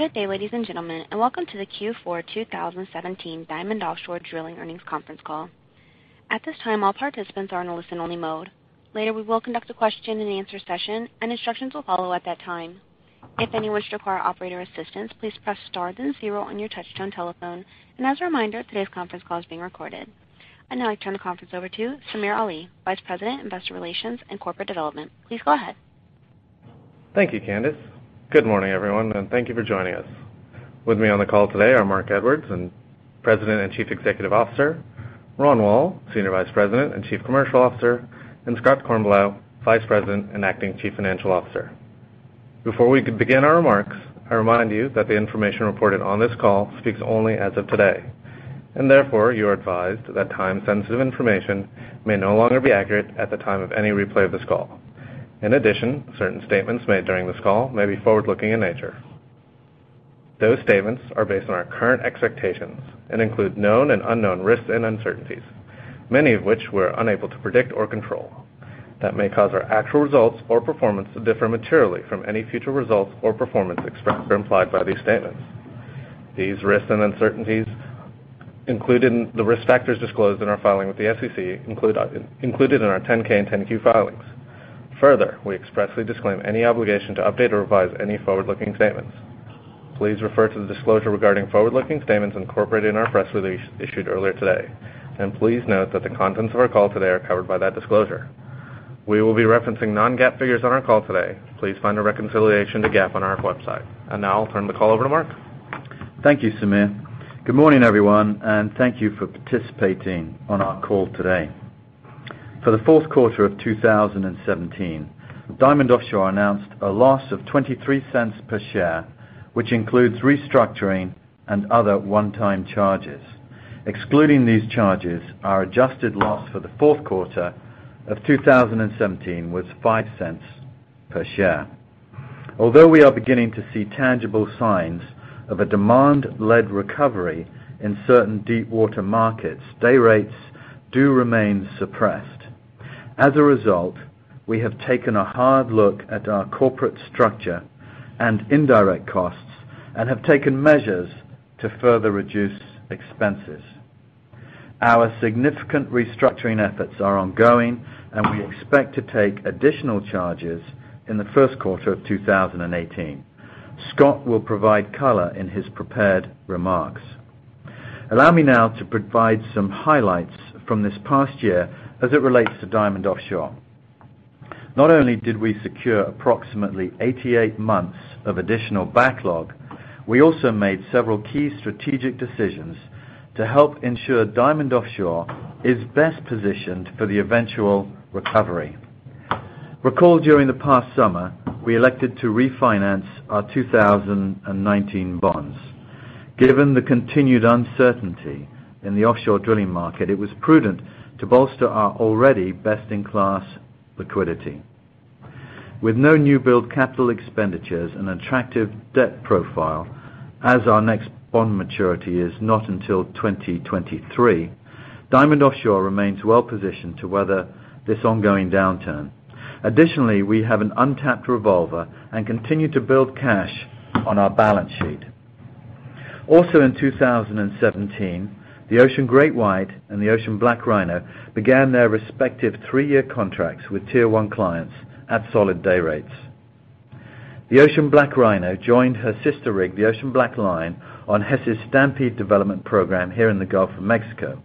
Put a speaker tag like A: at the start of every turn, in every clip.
A: Good day, ladies and gentlemen, welcome to the Q4 2017 Diamond Offshore Drilling earnings conference call. At this time, all participants are in a listen-only mode. Later, we will conduct a question and answer session, and instructions will follow at that time. If anyone should require operator assistance, please press star then zero on your touch-tone telephone. As a reminder, today's conference call is being recorded. I'd now like to turn the conference over to Samir Ali, Vice President, Investor Relations and Corporate Development. Please go ahead.
B: Thank you, Candice. Good morning, everyone, thank you for joining us. With me on the call today are Marc Edwards, President and Chief Executive Officer, Ron Wohl, Senior Vice President and Chief Commercial Officer, and Scott Kornbluh, Vice President and acting Chief Financial Officer. Before we begin our remarks, I remind you that the information reported on this call speaks only as of today. Therefore, you are advised that time-sensitive information may no longer be accurate at the time of any replay of this call. In addition, certain statements made during this call may be forward-looking in nature. Those statements are based on our current expectations and include known and unknown risks and uncertainties, many of which we're unable to predict or control, that may cause our actual results or performance to differ materially from any future results or performance expressed or implied by these statements. These risks and uncertainties include the risk factors disclosed in our filing with the SEC included in our 10-K and 10-Q filings. Further, we expressly disclaim any obligation to update or revise any forward-looking statements. Please refer to the disclosure regarding forward-looking statements incorporated in our press release issued earlier today. Please note that the contents of our call today are covered by that disclosure. We will be referencing non-GAAP figures on our call today. Please find a reconciliation to GAAP on our website. Now I'll turn the call over to Marc.
C: Thank you, Samir. Good morning, everyone, thank you for participating on our call today. For the fourth quarter of 2017, Diamond Offshore announced a loss of $0.23 per share, which includes restructuring and other one-time charges. Excluding these charges, our adjusted loss for the fourth quarter of 2017 was $0.05 per share. Although we are beginning to see tangible signs of a demand-led recovery in certain deepwater markets, day rates do remain suppressed. As a result, we have taken a hard look at our corporate structure and indirect costs and have taken measures to further reduce expenses. Our significant restructuring efforts are ongoing. We expect to take additional charges in the first quarter of 2018. Scott will provide color in his prepared remarks. Allow me now to provide some highlights from this past year as it relates to Diamond Offshore. Not only did we secure approximately 88 months of additional backlog, we also made several key strategic decisions to help ensure Diamond Offshore is best positioned for the eventual recovery. Recall during the past summer, we elected to refinance our 2019 bonds. Given the continued uncertainty in the offshore drilling market, it was prudent to bolster our already best-in-class liquidity. With no new build capital expenditures and attractive debt profile, as our next bond maturity is not until 2023, Diamond Offshore remains well-positioned to weather this ongoing downturn. Additionally, we have an untapped revolver and continue to build cash on our balance sheet. Also in 2017, the Ocean GreatWhite and the Ocean BlackRhino began their respective three-year contracts with Tier 1 clients at solid day rates. The Ocean BlackRhino joined her sister rig, the Ocean BlackLion, on Hess's Stampede development program here in the Gulf of Mexico.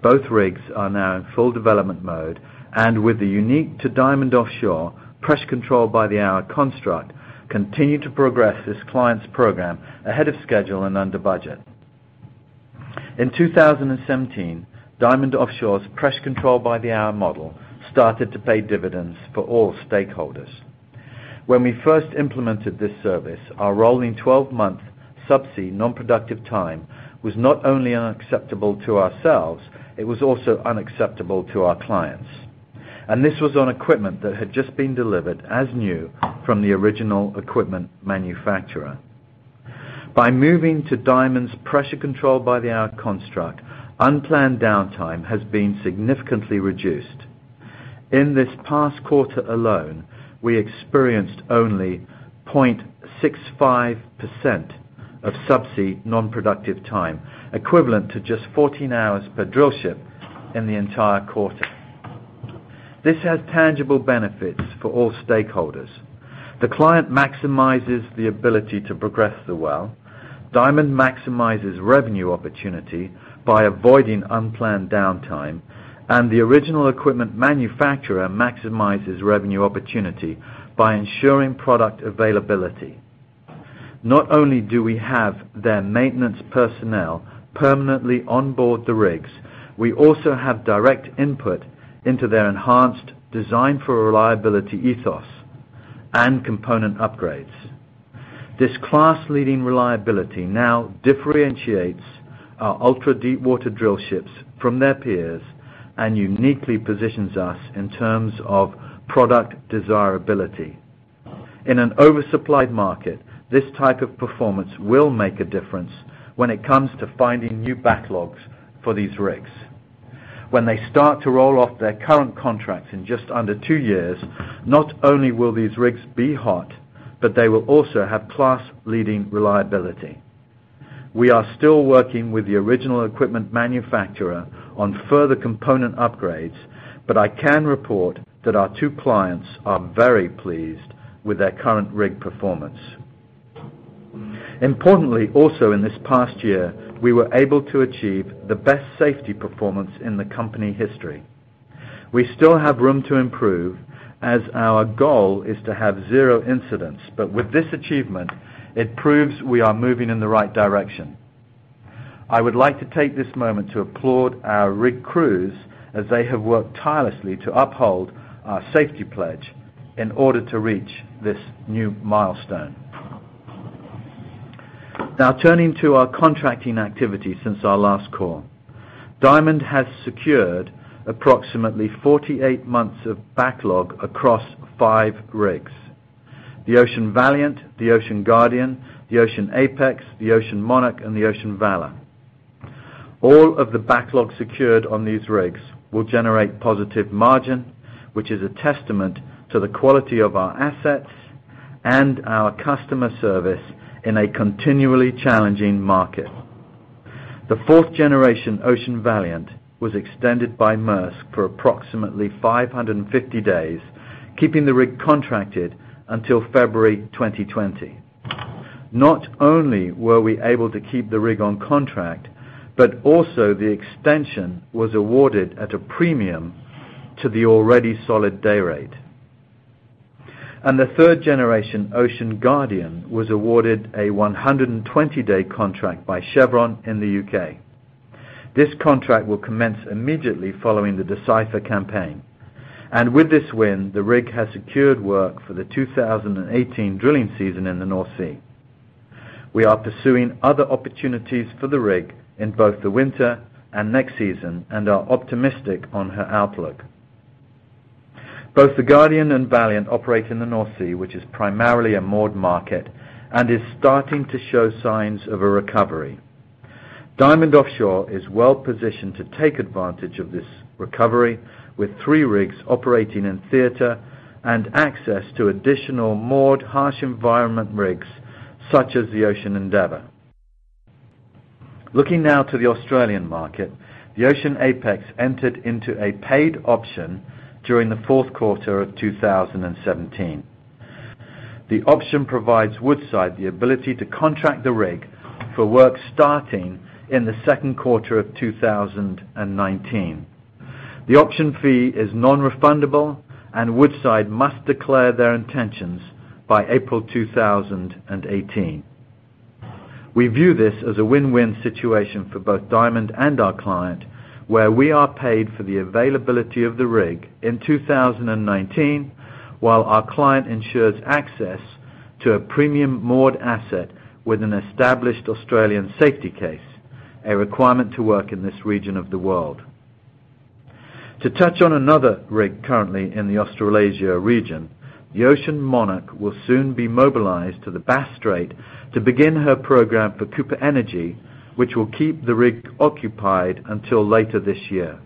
C: Both rigs are now in full development mode, with the unique-to-Diamond-Offshore Pressure Control by the Hour construct, continue to progress this client's program ahead of schedule and under budget. In 2017, Diamond Offshore's Pressure Control by the Hour model started to pay dividends for all stakeholders. When we first implemented this service, our rolling 12-month subsea non-productive time was not only unacceptable to ourselves, it was also unacceptable to our clients. This was on equipment that had just been delivered as new from the original equipment manufacturer. By moving to Diamond's Pressure Control by the Hour construct, unplanned downtime has been significantly reduced. In this past quarter alone, we experienced only 0.65% of subsea non-productive time, equivalent to just 14 hours per drill ship in the entire quarter. This has tangible benefits for all stakeholders. The client maximizes the ability to progress the well, Diamond maximizes revenue opportunity by avoiding unplanned downtime, the original equipment manufacturer maximizes revenue opportunity by ensuring product availability. Not only do we have their maintenance personnel permanently on board the rigs, we also have direct input into their enhanced design for a reliability ethos and component upgrades. This class-leading reliability now differentiates our ultra-deepwater drill ships from their peers and uniquely positions us in terms of product desirability. In an oversupplied market, this type of performance will make a difference when it comes to finding new backlogs for these rigs. When they start to roll off their current contracts in just under two years, not only will these rigs be hot, they will also have class-leading reliability. We are still working with the original equipment manufacturer on further component upgrades, I can report that our two clients are very pleased with their current rig performance. Importantly, also in this past year, we were able to achieve the best safety performance in the company history. We still have room to improve, as our goal is to have zero incidents, with this achievement, it proves we are moving in the right direction. I would like to take this moment to applaud our rig crews, as they have worked tirelessly to uphold our safety pledge in order to reach this new milestone. Now turning to our contracting activity since our last call. Diamond has secured approximately 48 months of backlog across five rigs. The Ocean Vanguard, the Ocean Guardian, the Ocean Apex, the Ocean Monarch, and the Ocean Valor. All of the backlog secured on these rigs will generate positive margin, which is a testament to the quality of our assets and our customer service in a continually challenging market. The fourth-generation Ocean Vanguard was extended by Maersk for approximately 550 days, keeping the rig contracted until February 2020. Not only were we able to keep the rig on contract, but also the extension was awarded at a premium to the already solid day rate. The third-generation Ocean Guardian was awarded a 120-day contract by Chevron in the U.K. This contract will commence immediately following the Decipher campaign. With this win, the rig has secured work for the 2018 drilling season in the North Sea. We are pursuing other opportunities for the rig in both the winter and next season, and are optimistic on her outlook. Both the Guardian and Valiant operate in the North Sea, which is primarily a moored market, and is starting to show signs of a recovery. Diamond Offshore is well-positioned to take advantage of this recovery with three rigs operating in theater and access to additional moored harsh environment rigs such as the Ocean Endeavor. Looking now to the Australian market, the Ocean Apex entered into a paid option during the fourth quarter of 2017. The option provides Woodside the ability to contract the rig for work starting in the second quarter of 2019. The option fee is non-refundable. Woodside must declare their intentions by April 2018. We view this as a win-win situation for both Diamond and our client, where we are paid for the availability of the rig in 2019, while our client ensures access to a premium moored asset with an established Australian safety case, a requirement to work in this region of the world. To touch on another rig currently in the Australasia region, the Ocean Monarch will soon be mobilized to the Bass Strait to begin her program for Cooper Energy, which will keep the rig occupied until later this year.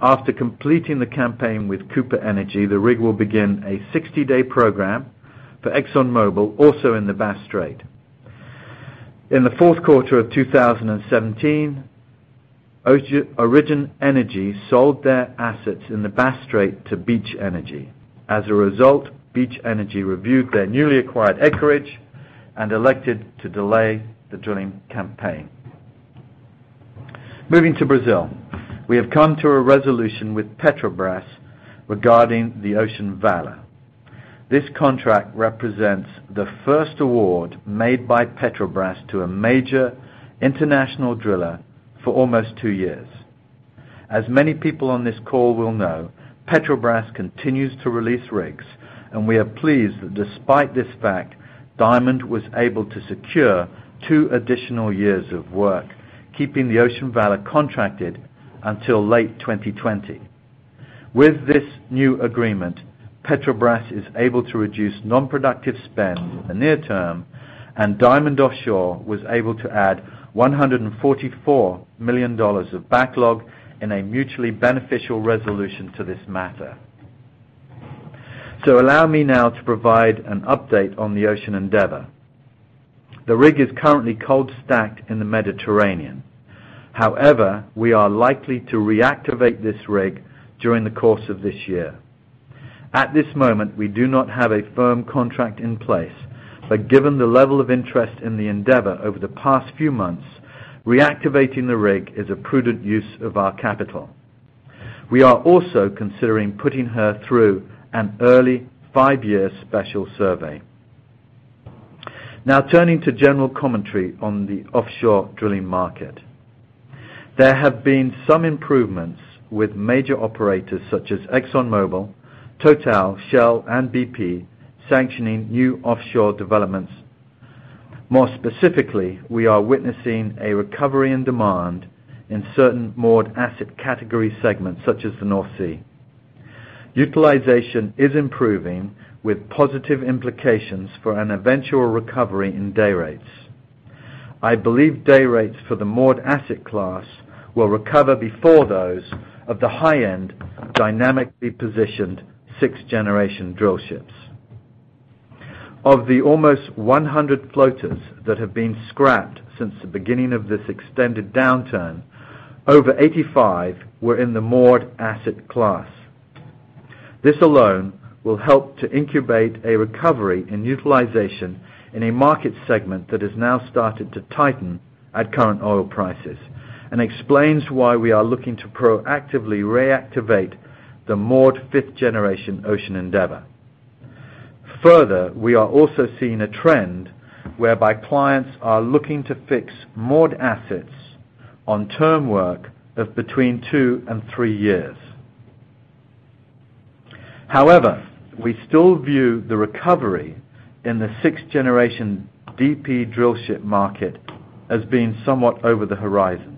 C: After completing the campaign with Cooper Energy, the rig will begin a 60-day program for ExxonMobil, also in the Bass Strait. In the fourth quarter of 2017, Origin Energy sold their assets in the Bass Strait to Beach Energy. As a result, Beach Energy reviewed their newly acquired acreage and elected to delay the drilling campaign. Moving to Brazil, we have come to a resolution with Petrobras regarding the Ocean Valor. This contract represents the first award made by Petrobras to a major international driller for almost two years. As many people on this call will know, Petrobras continues to release rigs, and we are pleased that despite this fact, Diamond was able to secure two additional years of work, keeping the Ocean Valor contracted until late 2020. With this new agreement, Petrobras is able to reduce non-productive spend in the near term. Diamond Offshore was able to add $144 million of backlog in a mutually beneficial resolution to this matter. Allow me now to provide an update on the Ocean Endeavor. The rig is currently cold stacked in the Mediterranean. However, we are likely to reactivate this rig during the course of this year. At this moment, we do not have a firm contract in place, but given the level of interest in the Ocean Endeavor over the past few months, reactivating the rig is a prudent use of our capital. We are also considering putting her through an early five-year special survey. Turning to general commentary on the offshore drilling market. There have been some improvements with major operators such as ExxonMobil, Total, Shell, and BP sanctioning new offshore developments. More specifically, we are witnessing a recovery in demand in certain moored asset category segments such as the North Sea. Utilization is improving with positive implications for an eventual recovery in day rates. I believe day rates for the moored asset class will recover before those of the high-end, dynamically positioned sixth-generation drill ships. Of the almost 100 floaters that have been scrapped since the beginning of this extended downturn, over 85 were in the moored asset class. This alone will help to incubate a recovery in utilization in a market segment that has now started to tighten at current oil prices. Explains why we are looking to proactively reactivate the moored fifth-generation Ocean Endeavor. We are also seeing a trend whereby clients are looking to fix moored assets on term work of between two and three years. We still view the recovery in the sixth-generation DP drillship market as being somewhat over the horizon.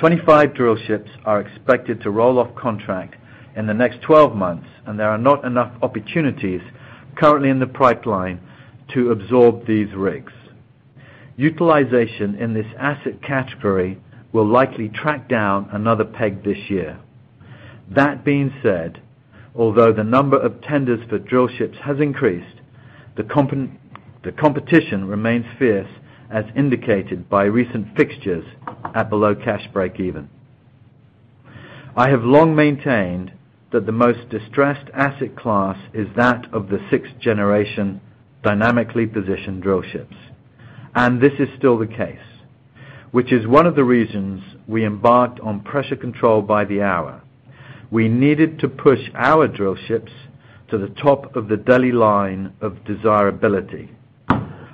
C: 25 drill ships are expected to roll off contract in the next 12 months. There are not enough opportunities currently in the pipeline to absorb these rigs. Utilization in this asset category will likely track down another peg this year. That being said, although the number of tenders for drill ships has increased, the competition remains fierce, as indicated by recent fixtures at below cash breakeven. I have long maintained that the most distressed asset class is that of the sixth-generation dynamically positioned drill ships. This is still the case, which is one of the reasons we embarked on Pressure Control by the Hour. We needed to push our drill ships to the top of the deli line of desirability.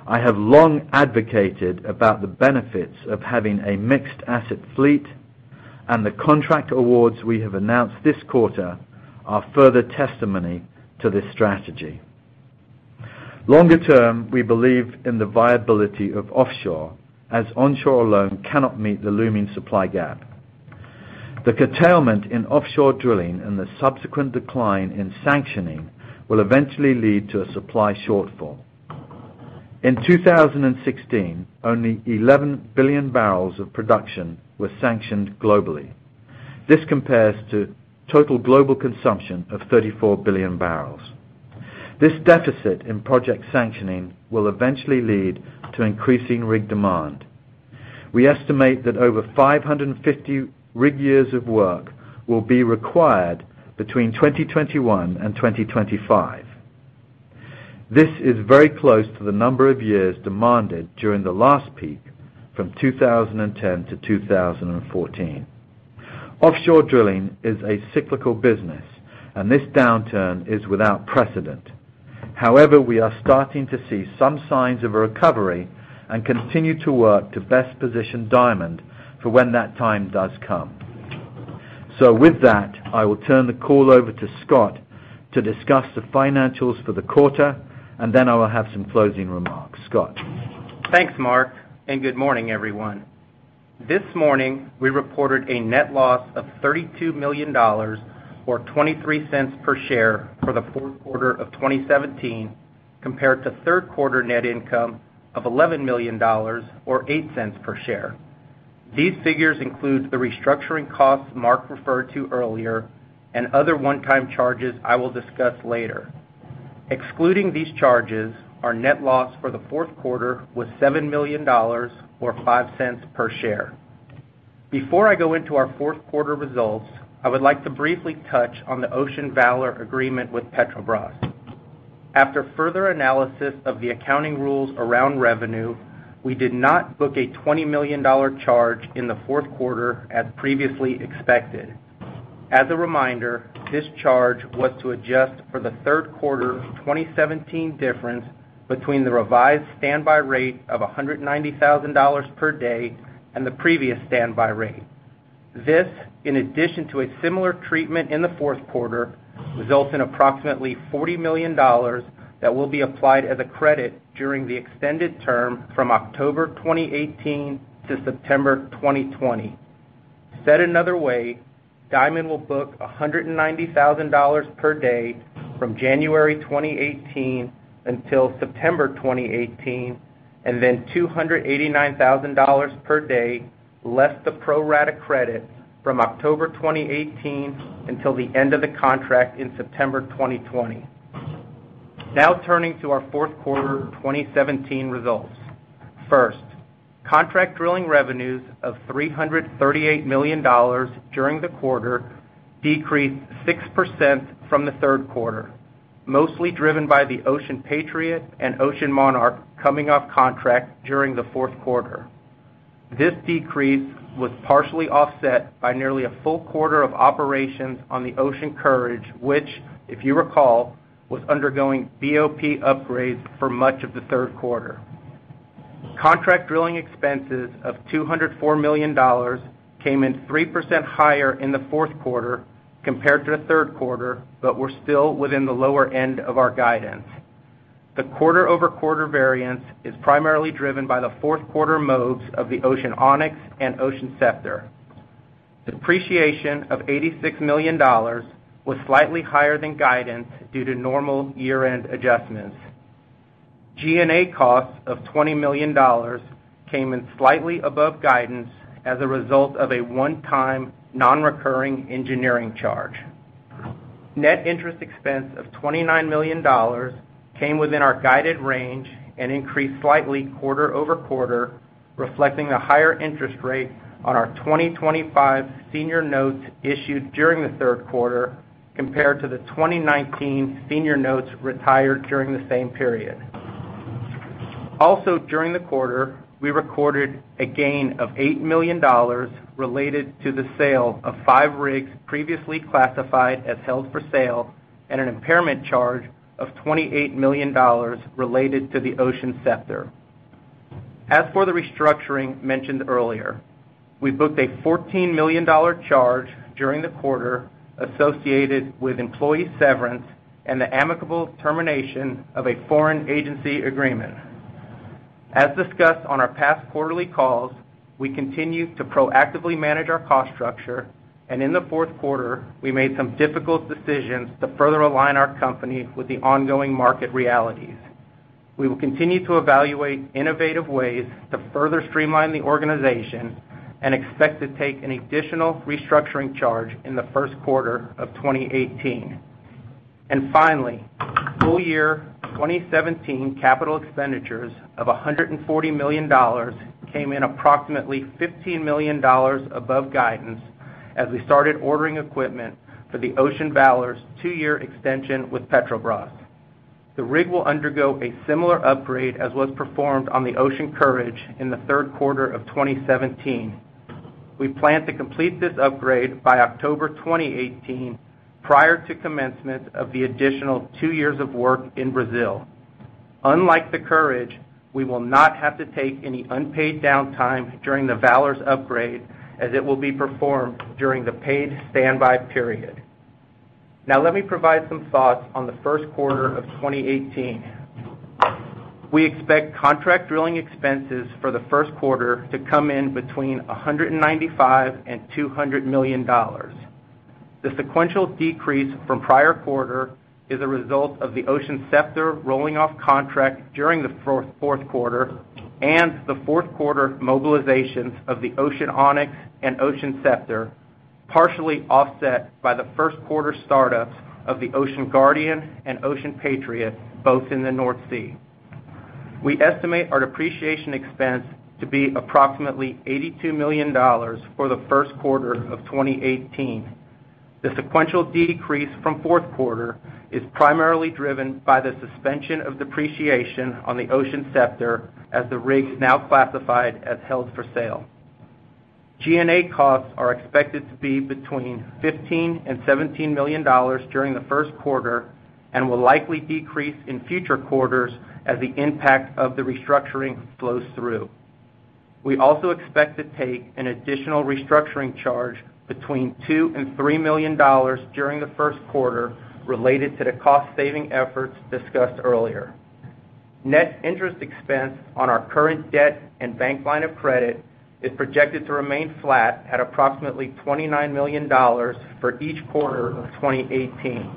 C: I have long advocated about the benefits of having a mixed asset fleet. The contract awards we have announced this quarter are further testimony to this strategy. Longer term, we believe in the viability of offshore, as onshore alone cannot meet the looming supply gap. The curtailment in offshore drilling and the subsequent decline in sanctioning will eventually lead to a supply shortfall. In 2016, only 11 billion barrels of production were sanctioned globally. This compares to total global consumption of 34 billion barrels. This deficit in project sanctioning will eventually lead to increasing rig demand. We estimate that over 550 rig years of work will be required between 2021 and 2025. This is very close to the number of years demanded during the last peak from 2010 to 2014. Offshore drilling is a cyclical business. This downturn is without precedent. We are starting to see some signs of a recovery and continue to work to best position Diamond for when that time does come. With that, I will turn the call over to Scott to discuss the financials for the quarter. Then I will have some closing remarks. Scott?
D: Thanks, Marc, and good morning, everyone. This morning, we reported a net loss of $32 million, or $0.23 per share for the fourth quarter of 2017, compared to third quarter net income of $11 million, or $0.08 per share. These figures include the restructuring costs Marc referred to earlier and other one-time charges I will discuss later. Excluding these charges, our net loss for the fourth quarter was $7 million, or $0.05 per share. Before I go into our fourth quarter results, I would like to briefly touch on the Ocean Valor agreement with Petrobras. After further analysis of the accounting rules around revenue, we did not book a $20 million charge in the fourth quarter as previously expected. As a reminder, this charge was to adjust for the third quarter 2017 difference between the revised standby rate of $190,000 per day and the previous standby rate. This, in addition to a similar treatment in the fourth quarter, results in approximately $40 million that will be applied as a credit during the extended term from October 2018 to September 2020. Said another way, Diamond will book $190,000 per day from January 2018 until September 2018, and then $289,000 per day, less the pro-rata credit from October 2018 until the end of the contract in September 2020. Now turning to our fourth quarter 2017 results. First, contract drilling revenues of $338 million during the quarter decreased 6% from the third quarter, mostly driven by the Ocean Patriot and Ocean Monarch coming off contract during the fourth quarter. This decrease was partially offset by nearly a full quarter of operations on the Ocean Courage, which, if you recall, was undergoing BOP upgrades for much of the third quarter. Contract drilling expenses of $204 million came in 3% higher in the fourth quarter compared to the third quarter, were still within the lower end of our guidance. The quarter-over-quarter variance is primarily driven by the fourth quarter moves of the Ocean Onyx and Ocean Scepter. Depreciation of $86 million was slightly higher than guidance due to normal year-end adjustments. G&A costs of $20 million came in slightly above guidance as a result of a one-time non-recurring engineering charge. Net interest expense of $29 million came within our guided range and increased slightly quarter-over-quarter, reflecting a higher interest rate on our 2025 senior notes issued during the third quarter compared to the 2019 senior notes retired during the same period. During the quarter, we recorded a gain of $8 million related to the sale of five rigs previously classified as held for sale and an impairment charge of $28 million related to the Ocean Scepter. As for the restructuring mentioned earlier, we booked a $14 million charge during the quarter associated with employee severance and the amicable termination of a foreign agency agreement. As discussed on our past quarterly calls, we continue to proactively manage our cost structure, and in the fourth quarter, we made some difficult decisions to further align our company with the ongoing market realities. We will continue to evaluate innovative ways to further streamline the organization and expect to take an additional restructuring charge in the first quarter of 2018. Full year 2017 CapEx of $140 million came in approximately $15 million above guidance as we started ordering equipment for the Ocean Valor's two-year extension with Petrobras. The rig will undergo a similar upgrade as was performed on the Ocean Courage in the third quarter of 2017. We plan to complete this upgrade by October 2018 prior to commencement of the additional two years of work in Brazil. Unlike the Courage, we will not have to take any unpaid downtime during the Valor's upgrade as it will be performed during the paid standby period. Now, let me provide some thoughts on the first quarter of 2018. We expect contract drilling expenses for the first quarter to come in between $195 million and $200 million. The sequential decrease from prior quarter is a result of the Ocean Scepter rolling off contract during the fourth quarter and the fourth quarter mobilizations of the Ocean Onyx and Ocean Scepter, partially offset by the first quarter startups of the Ocean Guardian and Ocean Patriot, both in the North Sea. We estimate our depreciation expense to be approximately $82 million for the first quarter of 2018. The sequential decrease from fourth quarter is primarily driven by the suspension of depreciation on the Ocean Scepter as the rig is now classified as held for sale. G&A costs are expected to be between $15 million and $17 million during the first quarter and will likely decrease in future quarters as the impact of the restructuring flows through. We also expect to take an additional restructuring charge between $2 million and $3 million during the first quarter related to the cost-saving efforts discussed earlier. Net interest expense on our current debt and bank line of credit is projected to remain flat at approximately $29 million for each quarter of 2018.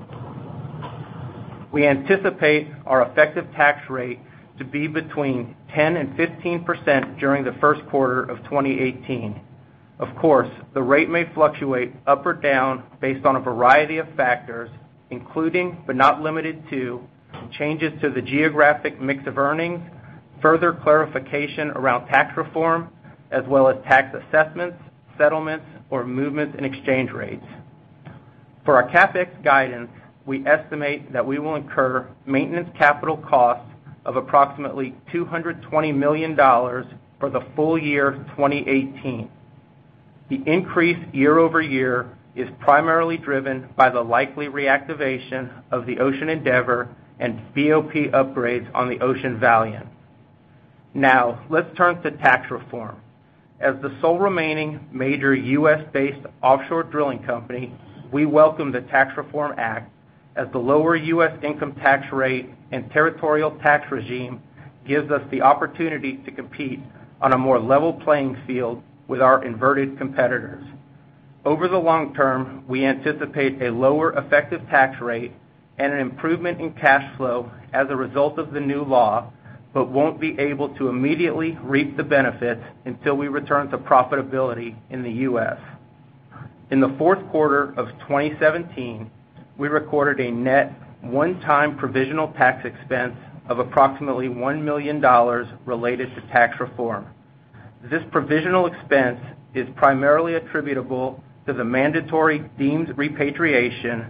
D: We anticipate our effective tax rate to be between 10% and 15% during the first quarter of 2018. Of course, the rate may fluctuate up or down based on a variety of factors, including, but not limited to, changes to the geographic mix of earnings, further clarification around Tax Reform Act, as well as tax assessments, settlements, or movements in exchange rates. For our CapEx guidance, we estimate that we will incur maintenance capital costs of approximately $220 million for the full year 2018. The increase year-over-year is primarily driven by the likely reactivation of the Ocean Endeavor and BOP upgrades on the Ocean Vanguard. Now, let's turn to Tax Reform Act. As the sole remaining major U.S.-based offshore drilling company, we welcome the Tax Reform Act, as the lower U.S. income tax rate and territorial tax regime gives us the opportunity to compete on a more level playing field with our inverted competitors. Over the long term, we anticipate a lower effective tax rate and an improvement in cash flow as a result of the new law, but won't be able to immediately reap the benefits until we return to profitability in the U.S. In the fourth quarter of 2017, we recorded a net one-time provisional tax expense of approximately $1 million related to Tax Reform Act. This provisional expense is primarily attributable to the mandatory deemed repatriation,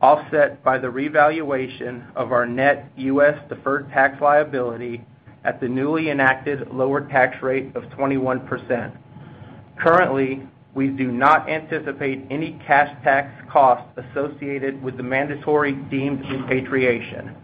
D: offset by the revaluation of our net U.S. deferred tax liability at the newly enacted lower tax rate of 21%. Currently, we do not anticipate any cash tax costs associated with the mandatory deemed repatriation.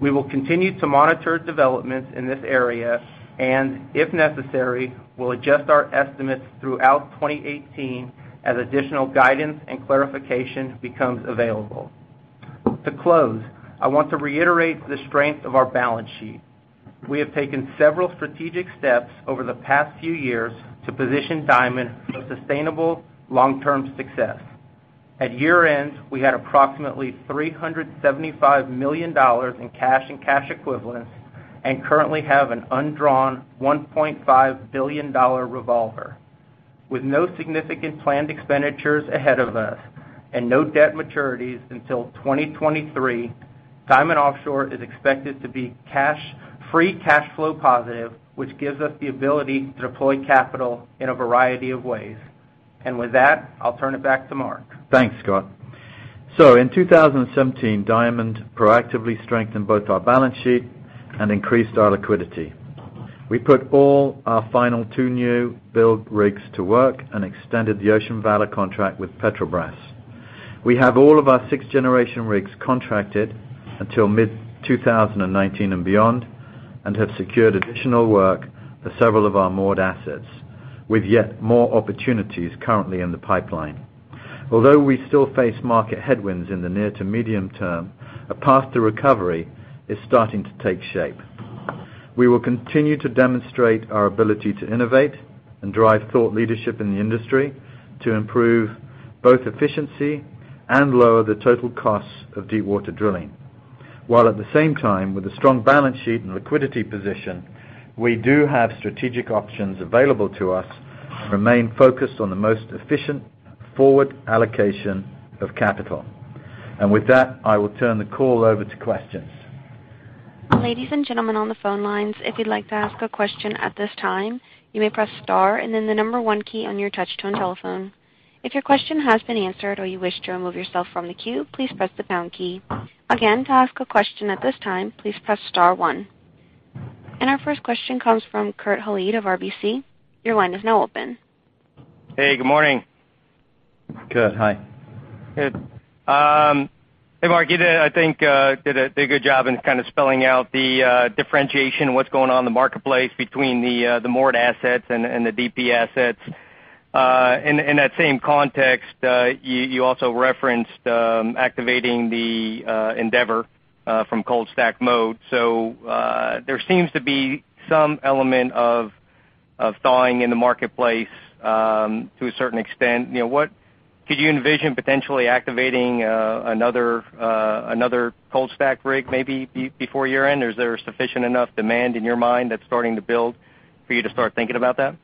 D: We will continue to monitor developments in this area, if necessary, we'll adjust our estimates throughout 2018 as additional guidance and clarification becomes available. To close, I want to reiterate the strength of our balance sheet. We have taken several strategic steps over the past few years to position Diamond for sustainable long-term success. At year-end, we had approximately $375 million in cash and cash equivalents, and currently have an undrawn $1.5 billion revolver. With no significant planned expenditures ahead of us and no debt maturities until 2023, Diamond Offshore is expected to be free cash flow positive, which gives us the ability to deploy capital in a variety of ways. With that, I'll turn it back to Marc.
C: Thanks, Scott. In 2017, Diamond proactively strengthened both our balance sheet and increased our liquidity. We put all our final two new build rigs to work and extended the Ocean Valor contract with Petrobras. We have all of our sixth-generation rigs contracted until mid-2019 and beyond, have secured additional work for several of our moored assets, with yet more opportunities currently in the pipeline. Although we still face market headwinds in the near to medium term, a path to recovery is starting to take shape. We will continue to demonstrate our ability to innovate and drive thought leadership in the industry to improve both efficiency and lower the total cost of deepwater drilling. While at the same time, with a strong balance sheet and liquidity position, we do have strategic options available to us and remain focused on the most efficient forward allocation of capital. With that, I will turn the call over to questions.
A: Ladies and gentlemen on the phone lines, if you'd like to ask a question at this time, you may press star and then the number one key on your touch-tone telephone. If your question has been answered or you wish to remove yourself from the queue, please press the pound key. Again, to ask a question at this time, please press star one. Our first question comes from Kurt Hallead of RBC. Your line is now open.
E: Hey, good morning.
C: Kurt, hi.
E: Good. Hey, Marc, you I think did a good job in kind of spelling out the differentiation, what's going on in the marketplace between the moored assets and the DP assets. In that same context, you also referenced activating the Ocean Endeavor from cold stacked mode. There seems to be some element of thawing in the marketplace to a certain extent. Could you envision potentially activating another cold stacked rig maybe before year-end? Is there sufficient enough demand in your mind that's starting to build for you to start thinking about that?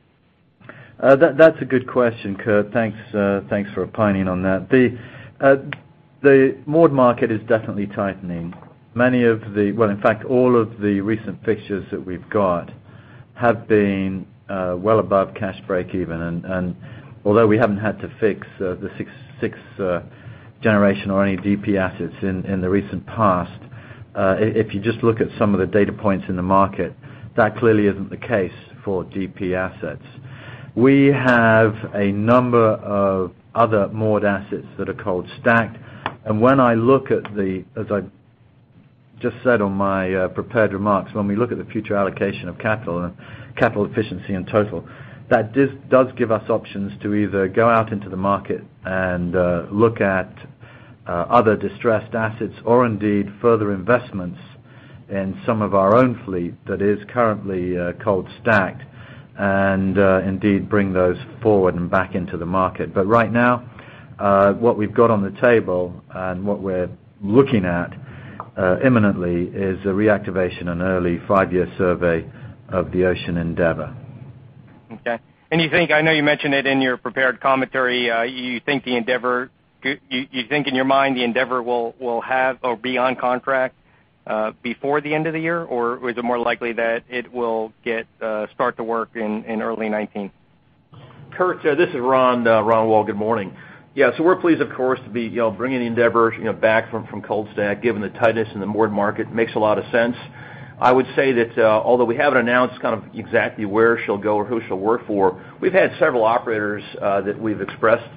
C: That's a good question, Kurt. Thanks for opining on that. The moored market is definitely tightening. In fact, all of the recent fixtures that we've got have been well above cash breakeven, and although we haven't had to fix the sixth-generation or any DP assets in the recent past, if you just look at some of the data points in the market, that clearly isn't the case for DP assets. We have a number of other moored assets that are cold stacked, and as I just said on my prepared remarks, when we look at the future allocation of capital and capital efficiency in total, that does give us options to either go out into the market and look at other distressed assets or indeed further investments in some of our own fleet that is currently cold stacked and indeed bring those forward and back into the market. Right now, what we've got on the table and what we're looking at imminently is a reactivation and early five-year survey of the Ocean Endeavor.
E: Okay. I know you mentioned it in your prepared commentary, you think in your mind the Endeavor will have or be on contract before the end of the year? Or is it more likely that it will start to work in early 2019?
F: Kurt, this is Ron. Ron Wohl, good morning. Yeah. We're pleased, of course, to be bringing the Endeavor back from cold stack, given the tightness in the moored market. Makes a lot of sense. I would say that although we haven't announced kind of exactly where she'll go or who she'll work for, we've had several operators that we've expressed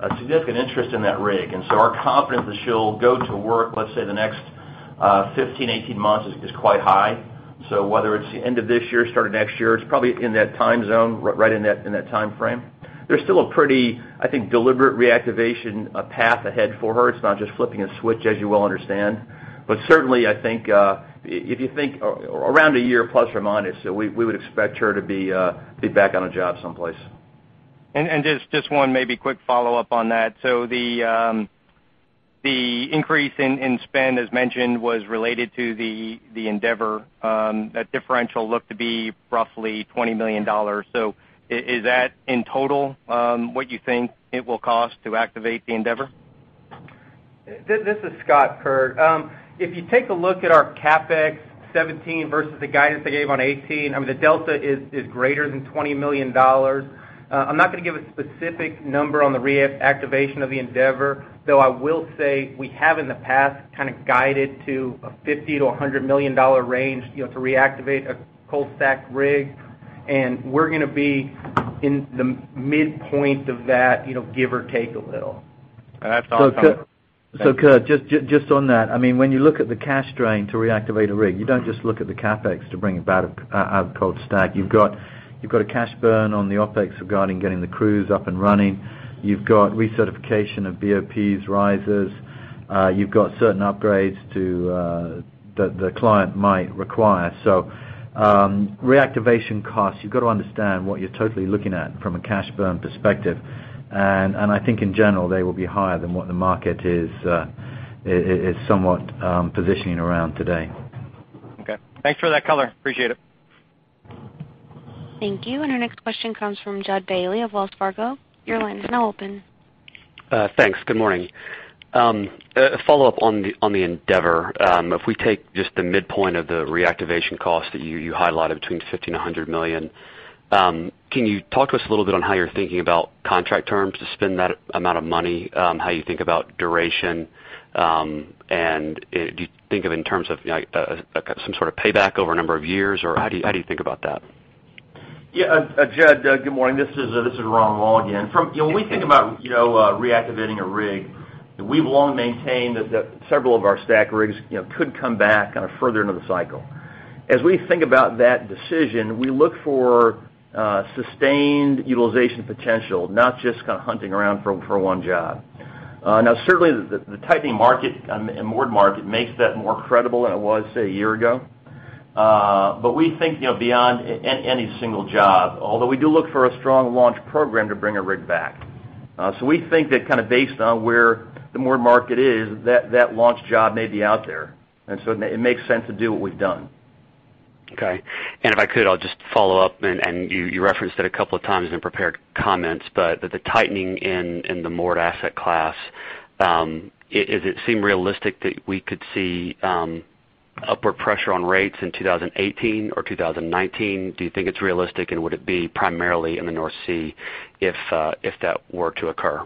F: a significant interest in that rig. Our confidence that she'll go to work, let's say, the next 15, 18 months is quite high. Whether it's the end of this year, start of next year, it's probably in that time zone, right in that timeframe. There's still a pretty, I think, deliberate reactivation path ahead for her. It's not just flipping a switch, as you well understand. Certainly, I think if you think around a year plus or minus, we would expect her to be back on a job someplace.
E: Just one maybe quick follow-up on that. The increase in spend, as mentioned, was related to the Endeavor. That differential looked to be roughly $20 million. Is that, in total, what you think it will cost to activate the Endeavor?
D: This is Scott, Kurt. If you take a look at our CapEx 2017 versus the guidance I gave on 2018, I mean, the delta is greater than $20 million. I'm not going to give a specific number on the reactivation of the Endeavor, though I will say we have in the past kind of guided to a $50 million-$100 million range to reactivate a cold stacked rig, and we're going to be in the midpoint of that, give or take a little.
E: That's awesome.
C: Kurt, just on that, when you look at the cash drain to reactivate a rig, you don't just look at the CapEx to bring it back out of cold stack. You've got a cash burn on the OpEx regarding getting the crews up and running. You've got recertification of BOPs, risers. You've got certain upgrades that the client might require. Reactivation costs, you've got to understand what you're totally looking at from a cash burn perspective. I think in general, they will be higher than what the market is somewhat positioning around today.
E: Okay. Thanks for that color. Appreciate it.
A: Thank you. Our next question comes from Judd Bailey of Wells Fargo. Your line is now open.
G: Thanks. Good morning. A follow-up on the Endeavor. If we take just the midpoint of the reactivation cost that you highlighted between $50 million and $100 million, can you talk to us a little bit on how you're thinking about contract terms to spend that amount of money, how you think about duration, and do you think of it in terms of some sort of payback over a number of years, or how do you think about that?
F: Yeah. Judd, good morning. This is Ron Wohl again. When we think about reactivating a rig, we've long maintained that several of our stack rigs could come back kind of further into the cycle. As we think about that decision, we look for sustained utilization potential, not just kind of hunting around for one job. Certainly, the tightening market and moored market makes that more credible than it was, say, a year ago. We think beyond any single job, although we do look for a strong launch program to bring a rig back. We think that based on where the moored market is, that that launch job may be out there. It makes sense to do what we've done.
G: Okay. If I could, I'll just follow up, you referenced it a couple of times in prepared comments, the tightening in the moored asset class, is it seem realistic that we could see upward pressure on rates in 2018 or 2019? Do you think it's realistic, and would it be primarily in the North Sea if that were to occur?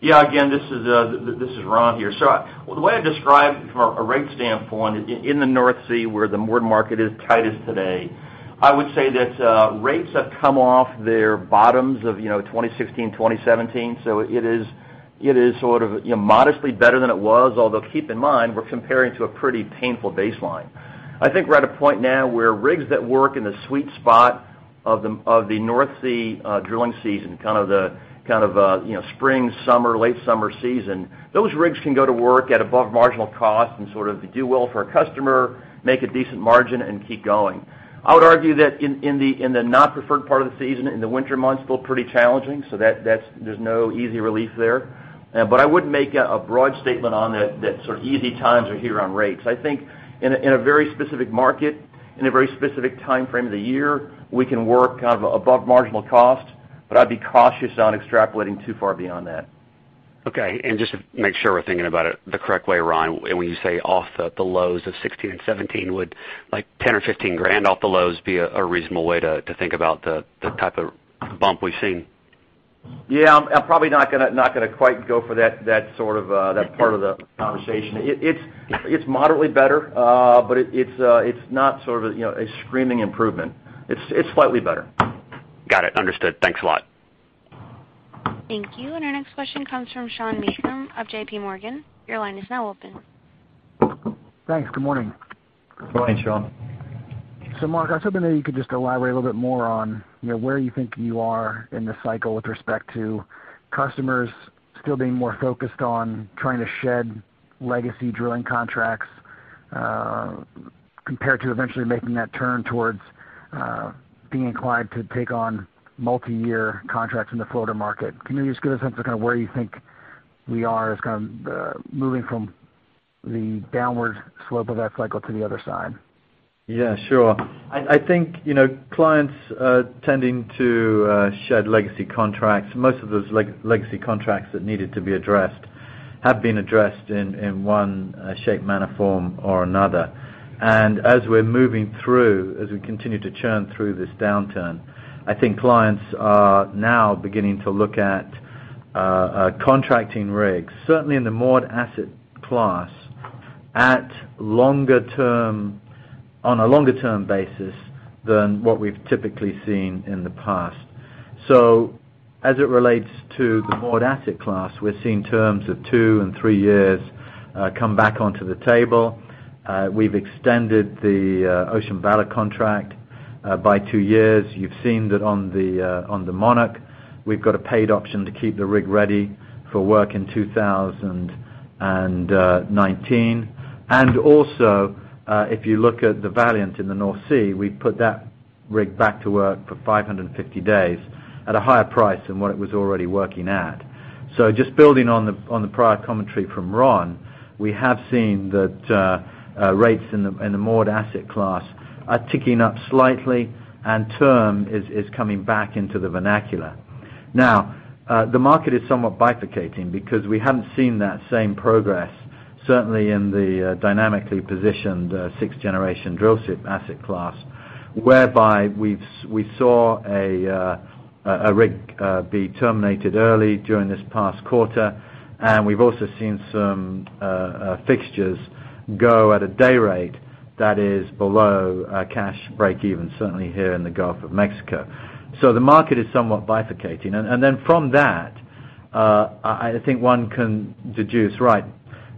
F: Yeah. Again, this is Ron here. The way I describe it from a rate standpoint, in the North Sea where the moored market is tightest today, I would say that rates have come off their bottoms of 2016, 2017. It is sort of modestly better than it was, although keep in mind, we're comparing to a pretty painful baseline. I think we're at a point now where rigs that work in the sweet spot of the North Sea drilling season, kind of spring, summer, late summer season, those rigs can go to work at above marginal cost and sort of do well for a customer, make a decent margin, and keep going. I would argue that in the not-preferred part of the season, in the winter months, still pretty challenging, there's no easy relief there. I wouldn't make a broad statement on that sort of easy times are here on rates. I think in a very specific market, in a very specific timeframe of the year, we can work above marginal cost, I'd be cautious on extrapolating too far beyond that.
G: Okay. Just to make sure we're thinking about it the correct way, Ron, when you say off the lows of 2016 and 2017, would 10 or 15 grand off the lows be a reasonable way to think about the type of bump we've seen?
F: Yeah. I'm probably not gonna quite go for that part of the conversation. It's moderately better, but it's not sort of a screaming improvement. It's slightly better.
G: Got it. Understood. Thanks a lot.
A: Thank you. Our next question comes from Sean Meakim of J.P. Morgan. Your line is now open.
H: Thanks. Good morning.
C: Good morning, Sean.
H: Marc, I was hoping that you could just elaborate a little bit more on where you think you are in this cycle with respect to customers still being more focused on trying to shed legacy drilling contracts, compared to eventually making that turn towards being inclined to take on multi-year contracts in the floater market. Can you just give us a sense of where you think we are as moving from the downward slope of that cycle to the other side?
C: Yeah, sure. I think clients tending to shed legacy contracts. Most of those legacy contracts that needed to be addressed have been addressed in one shape, manner, form, or another. As we're moving through, as we continue to churn through this downturn, I think clients are now beginning to look at contracting rigs, certainly in the moored asset class, on a longer-term basis than what we've typically seen in the past. As it relates to the moored asset class, we're seeing terms of two and three years come back onto the table. We've extended the Ocean Valor contract by two years. You've seen that on the Monarch. We've got a paid option to keep the rig ready for work in 2019. Also, if you look at the Valiant in the North Sea, we put that rig back to work for 550 days at a higher price than what it was already working at. Just building on the prior commentary from Ron, we have seen that rates in the moored asset class are ticking up slightly and term is coming back into the vernacular. Now, the market is somewhat bifurcating because we haven't seen that same progress, certainly in the dynamically positioned sixth-generation drillship asset class, whereby we saw a rig be terminated early during this past quarter, and we've also seen some fixtures go at a day rate that is below cash breakeven, certainly here in the Gulf of Mexico. The market is somewhat bifurcating. From that, I think one can deduce, right,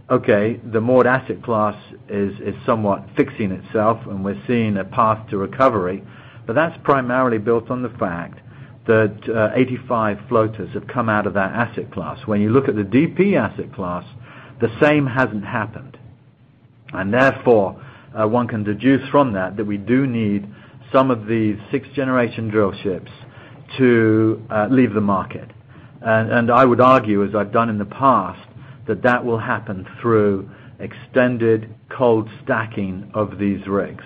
C: okay, the moored asset class is somewhat fixing itself, and we're seeing a path to recovery. That's primarily built on the fact that 85 floaters have come out of that asset class. When you look at the DP asset class, the same hasn't happened. Therefore, one can deduce from that we do need some of these sixth-generation drill ships to leave the market. I would argue, as I've done in the past, that that will happen through extended cold stacking of these rigs.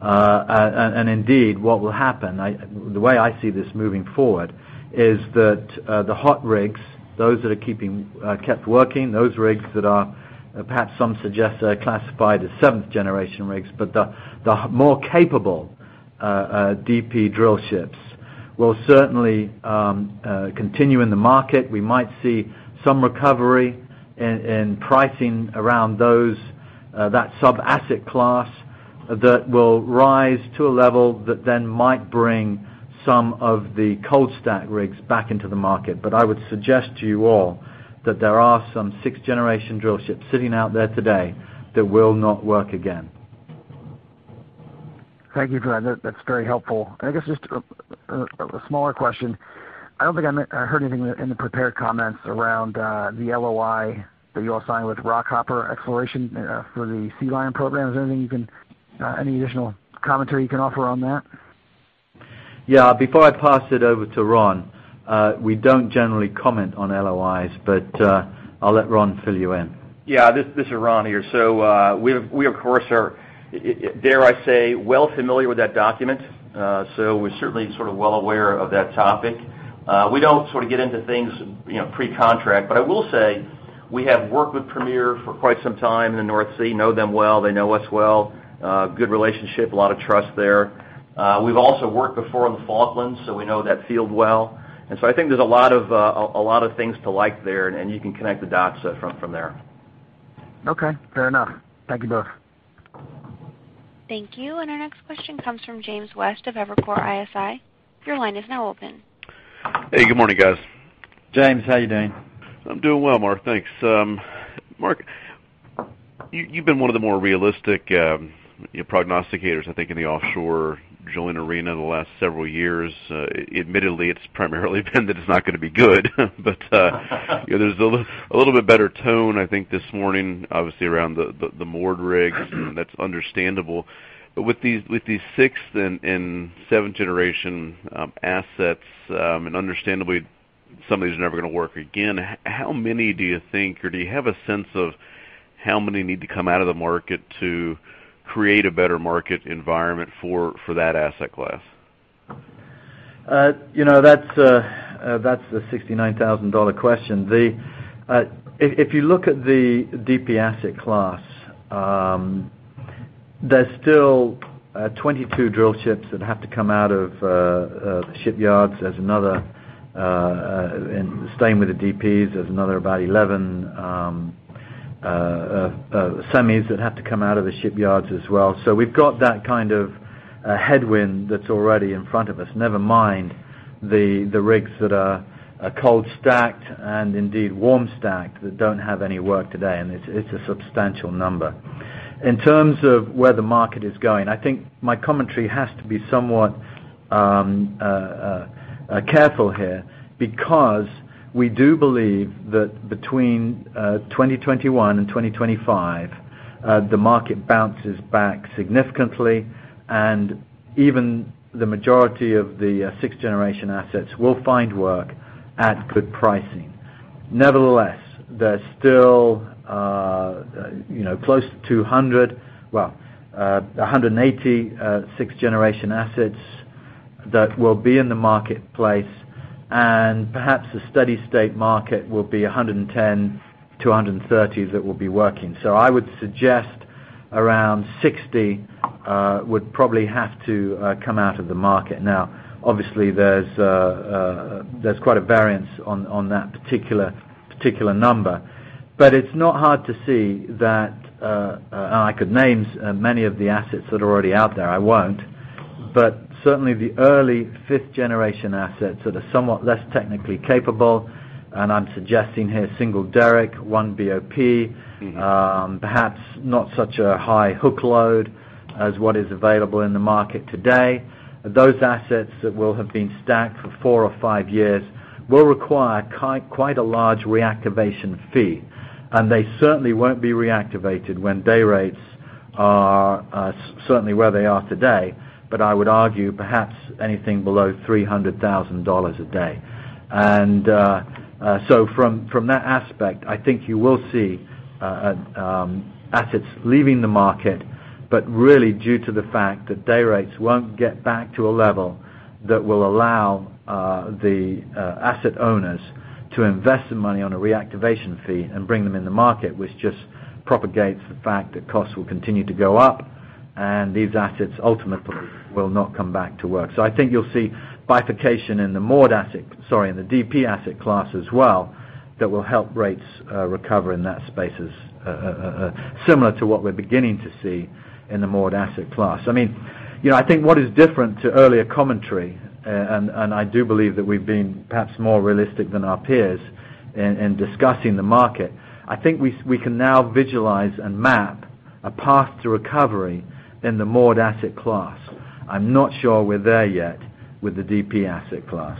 C: What will happen, the way I see this moving forward, is that the hot rigs, those that are kept working, those rigs that are perhaps some suggest are classified as seventh-generation rigs, but the more capable DP drill ships will certainly continue in the market. We might see some recovery in pricing around that sub-asset class that will rise to a level that then might bring some of the cold stacked rigs back into the market. I would suggest to you all that there are some sixth-generation drill ships sitting out there today that will not work again.
H: Thank you for that. That's very helpful. I guess just a smaller question. I don't think I heard anything in the prepared comments around the LOI that you all signed with Rockhopper Exploration for the Sea Lion program. Is there any additional commentary you can offer on that?
C: Before I pass it over to Ron, we don't generally comment on LOIs, but I'll let Ron fill you in.
F: Yeah. This is Ron here. We, of course, are, dare I say, well familiar with that document. We're certainly sort of well aware of that topic. We don't sort of get into things pre-contract, but I will say we have worked with Premier for quite some time in the North Sea, know them well, they know us well. Good relationship, a lot of trust there. We've also worked before on the Falklands, so we know that field well. I think there's a lot of things to like there, and you can connect the dots from there.
H: Okay, fair enough. Thank you both.
A: Thank you. Our next question comes from James West of Evercore ISI. Your line is now open.
I: Hey, good morning, guys.
C: James, how you doing?
I: I'm doing well, Marc, thanks. Marc, you've been one of the more realistic prognosticators, I think, in the offshore drilling arena in the last several years. Admittedly, it's primarily been that it's not going to be good. There's a little bit better tone, I think, this morning, obviously, around the moored rigs. That's understandable. With these sixth and seventh-generation assets, and understandably, some of these are never going to work again, how many do you think, or do you have a sense of how many need to come out of the market to create a better market environment for that asset class?
C: That's the $69,000 question. If you look at the DP asset class, there's still 22 drill ships that have to come out of the shipyards. There's another, and staying with the DPs, there's another about 11 semis that have to come out of the shipyards as well. We've got that kind of a headwind that's already in front of us, never mind the rigs that are cold stacked and indeed warm stacked that don't have any work today, and it's a substantial number. In terms of where the market is going, I think my commentary has to be somewhat careful here because we do believe that between 2021 and 2025, the market bounces back significantly, and even the majority of the sixth-generation assets will find work at good pricing. Nevertheless, there's still close to 180 6th-generation assets that will be in the marketplace, and perhaps a steady state market will be 110 to 130 that will be working. I would suggest around 60 would probably have to come out of the market. Now, obviously, there's quite a variance on that particular number. It's not hard to see that and I could name many of the assets that are already out there. I won't. Certainly the early 5th-generation assets that are somewhat less technically capable, and I'm suggesting here single derrick, one BOP. Perhaps not such a high hook load as what is available in the market today. Those assets that will have been stacked for four or five years will require quite a large reactivation fee, and they certainly won't be reactivated when day rates are certainly where they are today, but I would argue perhaps anything below $300,000 a day. From that aspect, I think you will see assets leaving the market, but really due to the fact that day rates won't get back to a level that will allow the asset owners to invest the money on a reactivation fee and bring them in the market, which just propagates the fact that costs will continue to go up, and these assets ultimately will not come back to work. I think you'll see bifurcation in the DP asset class as well, that will help rates recover in that space as similar to what we're beginning to see in the moored asset class. I think what is different to earlier commentary, and I do believe that we've been perhaps more realistic than our peers in discussing the market. I think we can now visualize and map a path to recovery than the moored asset class. I'm not sure we're there yet with the DP asset class.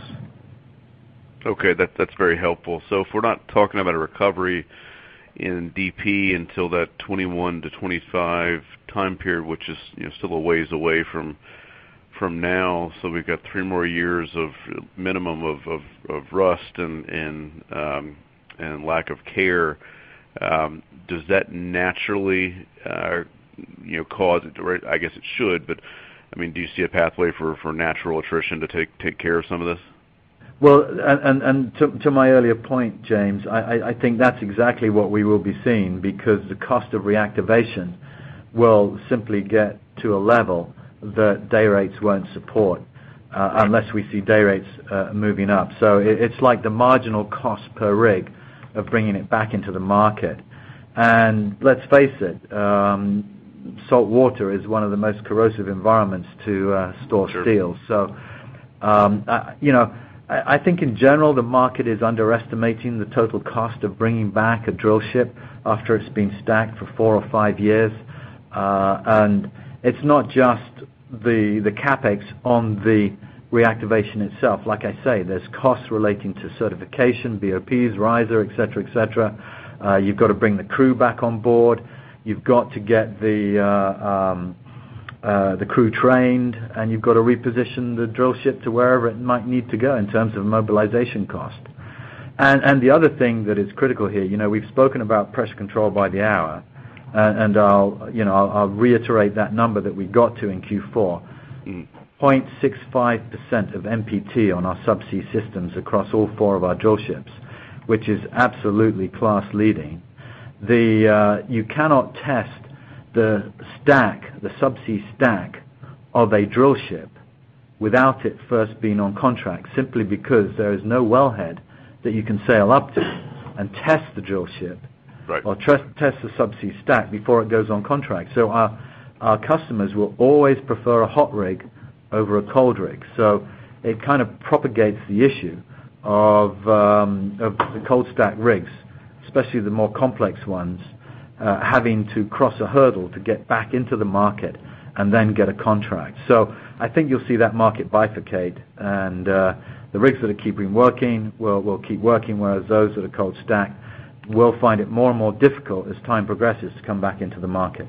I: Okay. That's very helpful. If we're not talking about a recovery in DP until that 2021 to 2025 time period, which is still a ways away from now, so we've got three more years of minimum of rust and lack of care. Does that naturally cause it to, I guess it should, but do you see a pathway for natural attrition to take care of some of this?
C: Well, to my earlier point, James, I think that's exactly what we will be seeing because the cost of reactivation will simply get to a level that day rates won't support unless we see day rates moving up. It's like the marginal cost per rig of bringing it back into the market. Let's face it, salt water is one of the most corrosive environments to store steel.
I: Sure.
C: I think in general, the market is underestimating the total cost of bringing back a drill ship after it's been stacked for four or five years. It's not just the CapEx on the reactivation itself. Like I say, there's costs relating to certification, BOPs, riser, et cetera. You've got to bring the crew back on board. You've got to get the crew trained, and you've got to reposition the drill ship to wherever it might need to go in terms of mobilization cost. The other thing that is critical here, we've spoken about Pressure Control by the Hour, and I'll reiterate that number that we got to in Q4. 0.65% of NPT on our subsea systems across all four of our drill ships, which is absolutely class-leading. You cannot test the subsea stack of a drill ship without it first being on contract, simply because there is no wellhead that you can sail up to and test the drill ship-
I: Right
C: or test the subsea stack before it goes on contract. Our customers will always prefer a hot rig over a cold rig. It kind of propagates the issue of the cold stacked rigs, especially the more complex ones, having to cross a hurdle to get back into the market and then get a contract. I think you'll see that market bifurcate and the rigs that are keeping working will keep working, whereas those that are cold stacked will find it more and more difficult as time progresses to come back into the market.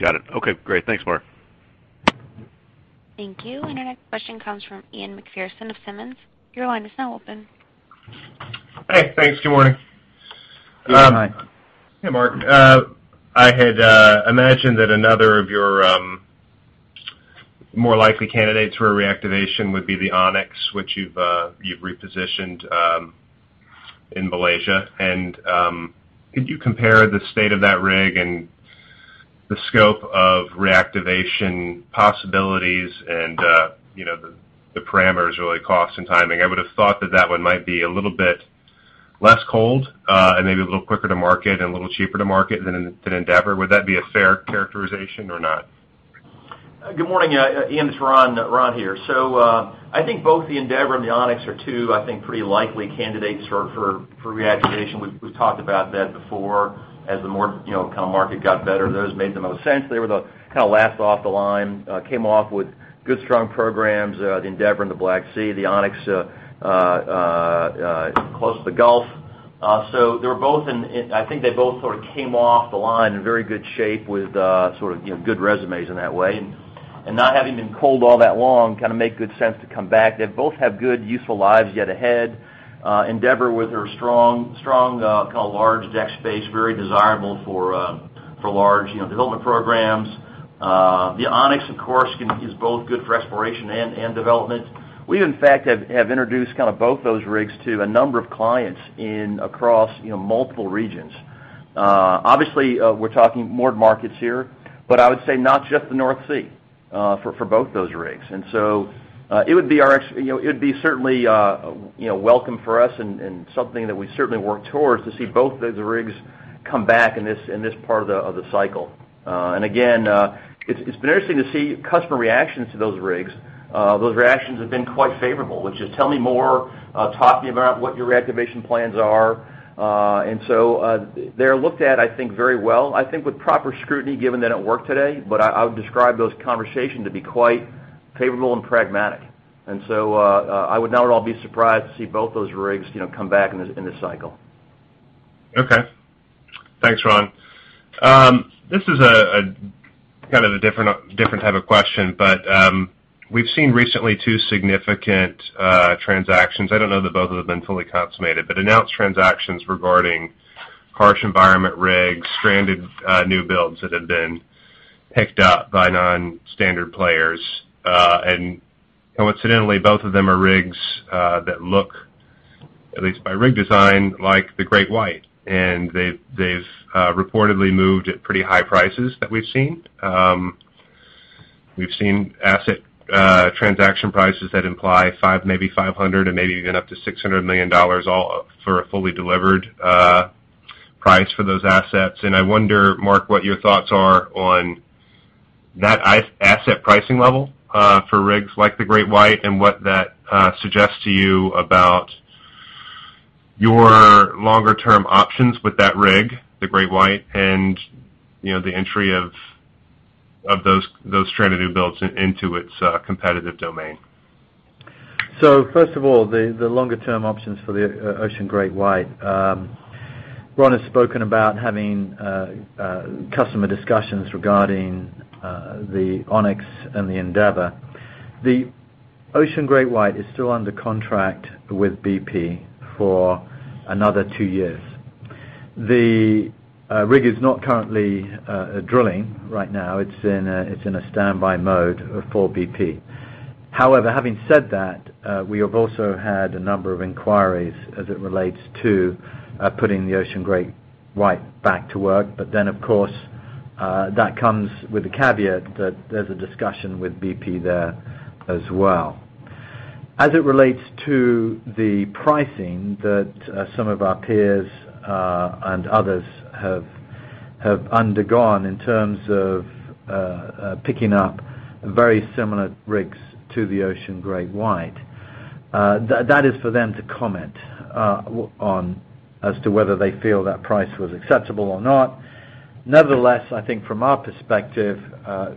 I: Got it. Okay, great. Thanks, Marc.
A: Thank you. Our next question comes from Ian Macpherson of Simmons. Your line is now open.
J: Hey, thanks. Good morning.
C: Good morning.
J: Hey, Marc. I had imagined that another of your more likely candidates for a reactivation would be the Onyx, which you've repositioned in Malaysia. Could you compare the state of that rig and the scope of reactivation possibilities and the parameters, really cost and timing? I would've thought that that one might be a little bit less cold, and maybe a little quicker to market and a little cheaper to market than Endeavor. Would that be a fair characterization or not?
F: Good morning. Ian, it's Ron here. I think both the Endeavor and the Onyx are two, I think, pretty likely candidates for reactivation. We've talked about that before as the moored kind of market got better. Those made the most sense. They were the kind of last off the line, came off with good, strong programs, the Endeavor in the Black Sea, the Onyx close to the Gulf. I think they both sort of came off the line in very good shape with sort of good resumes in that way. Not having been cold all that long, kind of make good sense to come back. They both have good, useful lives yet ahead. Endeavor with her strong, large deck space, very desirable for large development programs. The Onyx, of course, is both good for exploration and development. We, in fact, have introduced kind of both those rigs to a number of clients in across multiple regions. Obviously, we're talking moored markets here, but I would say not just the North Sea for both those rigs. It would be certainly welcome for us and something that we certainly work towards to see both those rigs come back in this part of the cycle. It's been interesting to see customer reactions to those rigs. Those reactions have been quite favorable, which is, "Tell me more. Talk to me about what your reactivation plans are." They're looked at, I think, very well, I think, with proper scrutiny, given they don't work today. But I would describe those conversations to be quite favorable and pragmatic. I would not at all be surprised to see both those rigs come back in this cycle.
J: Okay. Thanks, Ron. This is kind of a different type of question, but we've seen recently two significant transactions. I don't know that both of them have been fully consummated, but announced transactions regarding harsh environment rigs, stranded new builds that have been picked up by non-standard players. Coincidentally, both of them are rigs that look, at least by rig design, like the GreatWhite, and they've reportedly moved at pretty high prices that we've seen. We've seen asset transaction prices that imply maybe $500 million and maybe even up to $600 million all for a fully delivered price for those assets. I wonder, Marc, what your thoughts are on that asset pricing level for rigs like the GreatWhite and what that suggests to you about your longer-term options with that rig, the GreatWhite, and the entry of those brand new builds into its competitive domain.
C: First of all, the longer-term options for the Ocean GreatWhite. Ron has spoken about having customer discussions regarding the Onyx and the Endeavor. The Ocean GreatWhite is still under contract with BP for another 2 years. The rig is not currently drilling right now. It's in a standby mode for BP. Having said that, we have also had a number of inquiries as it relates to putting the Ocean GreatWhite back to work, of course, that comes with the caveat that there's a discussion with BP there as well. As it relates to the pricing that some of our peers and others have undergone in terms of picking up very similar rigs to the Ocean GreatWhite, that is for them to comment on as to whether they feel that price was acceptable or not. I think from our perspective,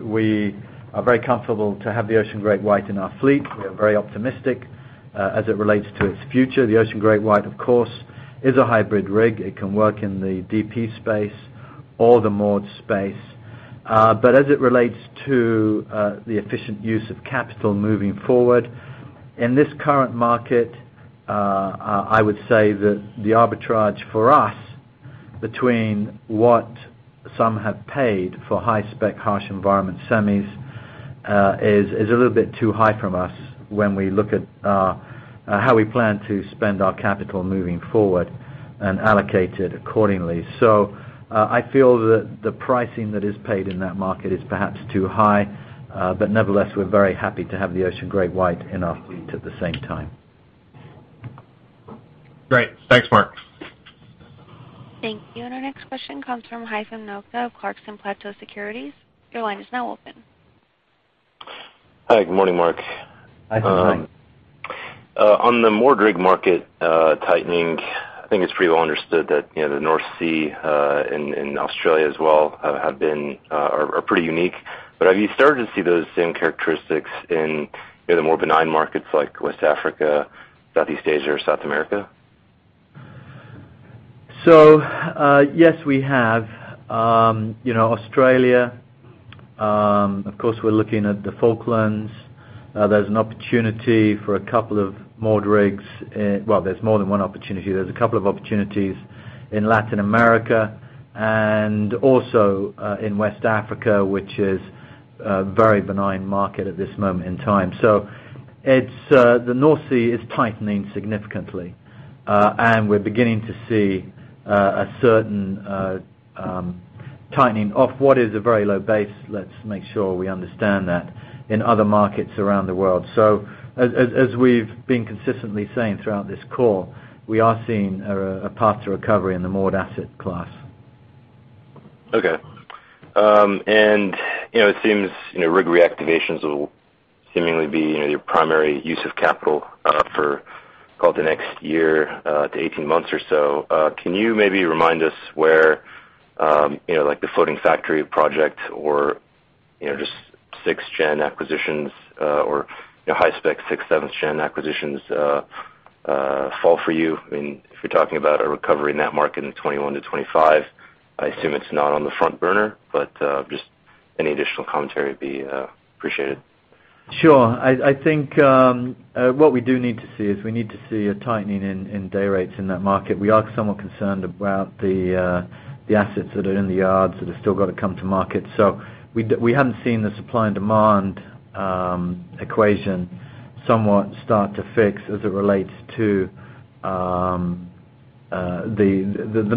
C: we are very comfortable to have the Ocean GreatWhite in our fleet. We are very optimistic as it relates to its future. The Ocean GreatWhite, of course, is a hybrid rig. It can work in the DP space or the moored space. As it relates to the efficient use of capital moving forward, in this current market, I would say that the arbitrage for us between what some have paid for high-spec, harsh environment semis, is a little bit too high from us when we look at how we plan to spend our capital moving forward and allocate it accordingly. I feel that the pricing that is paid in that market is perhaps too high, nevertheless, we're very happy to have the Ocean GreatWhite in our fleet at the same time.
J: Great. Thanks, Marc.
A: Thank you. Our next question comes from Hyrum Nofta of Clarkson Platou Securities. Your line is now open.
K: Hi. Good morning, Marc.
C: Hi. Good morning.
K: On the moored rig market tightening, I think it's pretty well understood that the North Sea, and Australia as well, are pretty unique. Have you started to see those same characteristics in the more benign markets like West Africa, Southeast Asia, or South America?
C: Yes, we have. Australia, of course, we're looking at the Falklands. There's an opportunity for a couple of moored rigs. Well, there's more than one opportunity. There's a couple of opportunities in Latin America and also in West Africa, which is a very benign market at this moment in time. The North Sea is tightening significantly, and we're beginning to see a certain tightening off what is a very low base, let's make sure we understand that, in other markets around the world. As we've been consistently saying throughout this call, we are seeing a path to recovery in the moored asset class.
K: Okay. It seems rig reactivations will seemingly be your primary use of capital for, call it, the next year to 18 months or so. Can you maybe remind us where the Floating Factory project or just 6th-gen acquisitions, or high spec 6th, 7th-gen acquisitions fall for you? If you're talking about a recovery in that market in 2021-2025, I assume it's not on the front burner, just any additional commentary would be appreciated.
C: Sure. I think what we do need to see is we need to see a tightening in day rates in that market. We are somewhat concerned about the assets that are in the yards that have still got to come to market. We haven't seen the supply and demand equation somewhat start to fix as it relates to the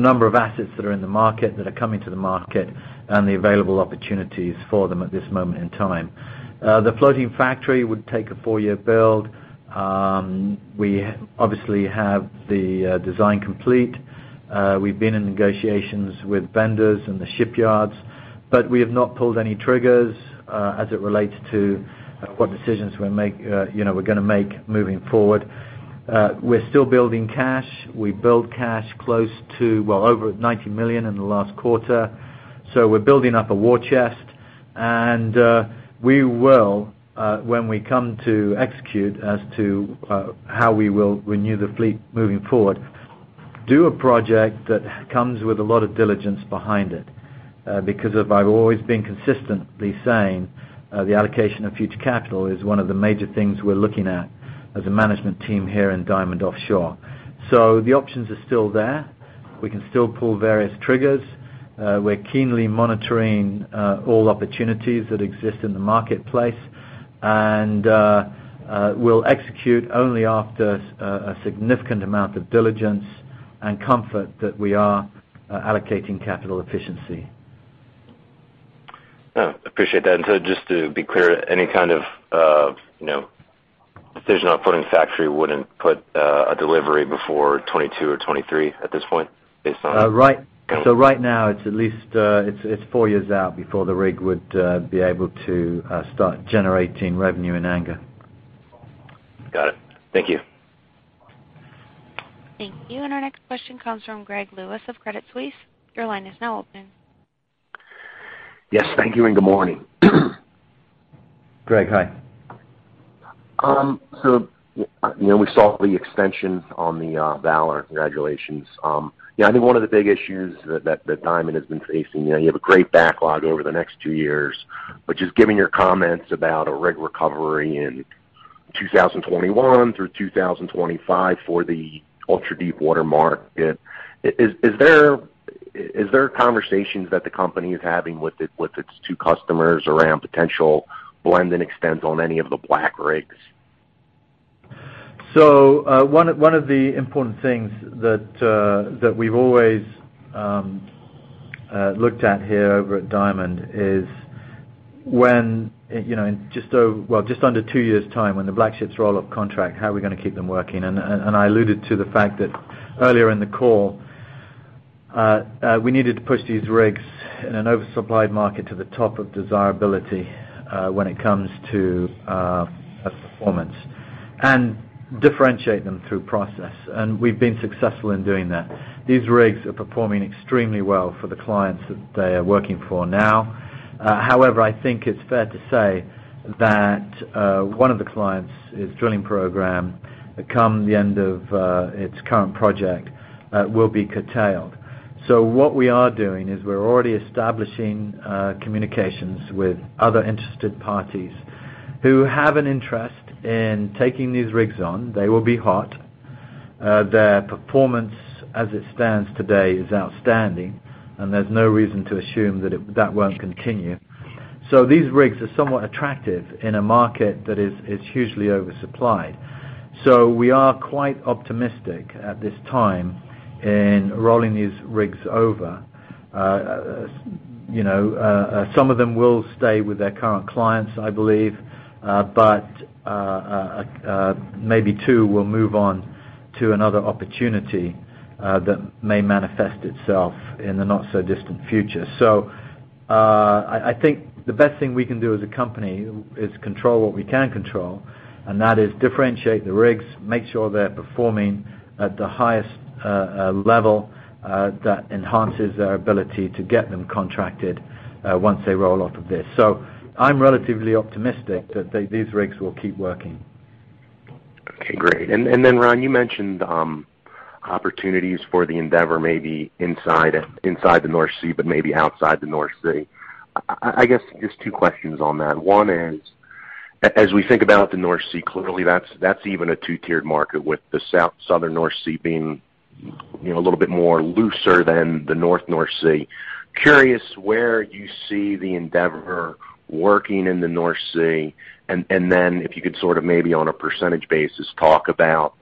C: number of assets that are in the market, that are coming to the market, and the available opportunities for them at this moment in time. The Floating Factory would take a four-year build. We obviously have the design complete. We've been in negotiations with vendors and the shipyards, we have not pulled any triggers as it relates to what decisions we're going to make moving forward. We're still building cash. We built cash close to, well, over $90 million in the last quarter. We're building up a war chest, we will, when we come to execute as to how we will renew the fleet moving forward, do a project that comes with a lot of diligence behind it. Because as I've always been consistently saying, the allocation of future capital is one of the major things we're looking at as a management team here in Diamond Offshore. The options are still there. We can still pull various triggers. We're keenly monitoring all opportunities that exist in the marketplace, we'll execute only after a significant amount of diligence and comfort that we are allocating capital efficiency.
K: Oh, appreciate that. Just to be clear, any kind of decision on Floating Factory wouldn't put a delivery before 2022 or 2023 at this point, based on-
C: Right. Right now, it's at least four years out before the rig would be able to start generating revenue in anger.
K: Got it. Thank you.
A: Thank you. Our next question comes from Greg Lewis of Credit Suisse. Your line is now open.
L: Yes, thank you and good morning.
C: Greg, hi.
L: We saw the extension on the Valor. Congratulations. I think one of the big issues that Diamond has been facing, you have a great backlog over the next two years, but just given your comments about a rig recovery in 2021 through 2025 for the ultra-deepwater market, is there conversations that the company is having with its two customers around potential blend and extends on any of the black rigs?
C: One of the important things that we've always looked at here over at Diamond is when in just under two years' time, when the black ships roll off contract, how are we going to keep them working? I alluded to the fact that earlier in the call, we needed to push these rigs in an oversupplied market to the top of desirability when it comes to performance and differentiate them through process. We've been successful in doing that. These rigs are performing extremely well for the clients that they are working for now. However, I think it's fair to say that one of the client's drilling program, come the end of its current project, will be curtailed. What we are doing is we're already establishing communications with other interested parties who have an interest in taking these rigs on. They will be hot. Their performance as it stands today is outstanding, and there's no reason to assume that won't continue. These rigs are somewhat attractive in a market that is hugely oversupplied. We are quite optimistic at this time in rolling these rigs over. Some of them will stay with their current clients, I believe, but maybe two will move on to another opportunity that may manifest itself in the not-so-distant future. I think the best thing we can do as a company is control what we can control, and that is differentiate the rigs, make sure they're performing at the highest level that enhances their ability to get them contracted once they roll off of this. I'm relatively optimistic that these rigs will keep working.
L: Okay, great. Ron, you mentioned opportunities for the Ocean Endeavor maybe inside the North Sea, but maybe outside the North Sea. I guess just two questions on that. One is, as we think about the North Sea, clearly that's even a two-tiered market with the Southern North Sea being a little bit more looser than the North North Sea. Curious where you see the Ocean Endeavor working in the North Sea, and then if you could sort of maybe on a percentage basis, talk about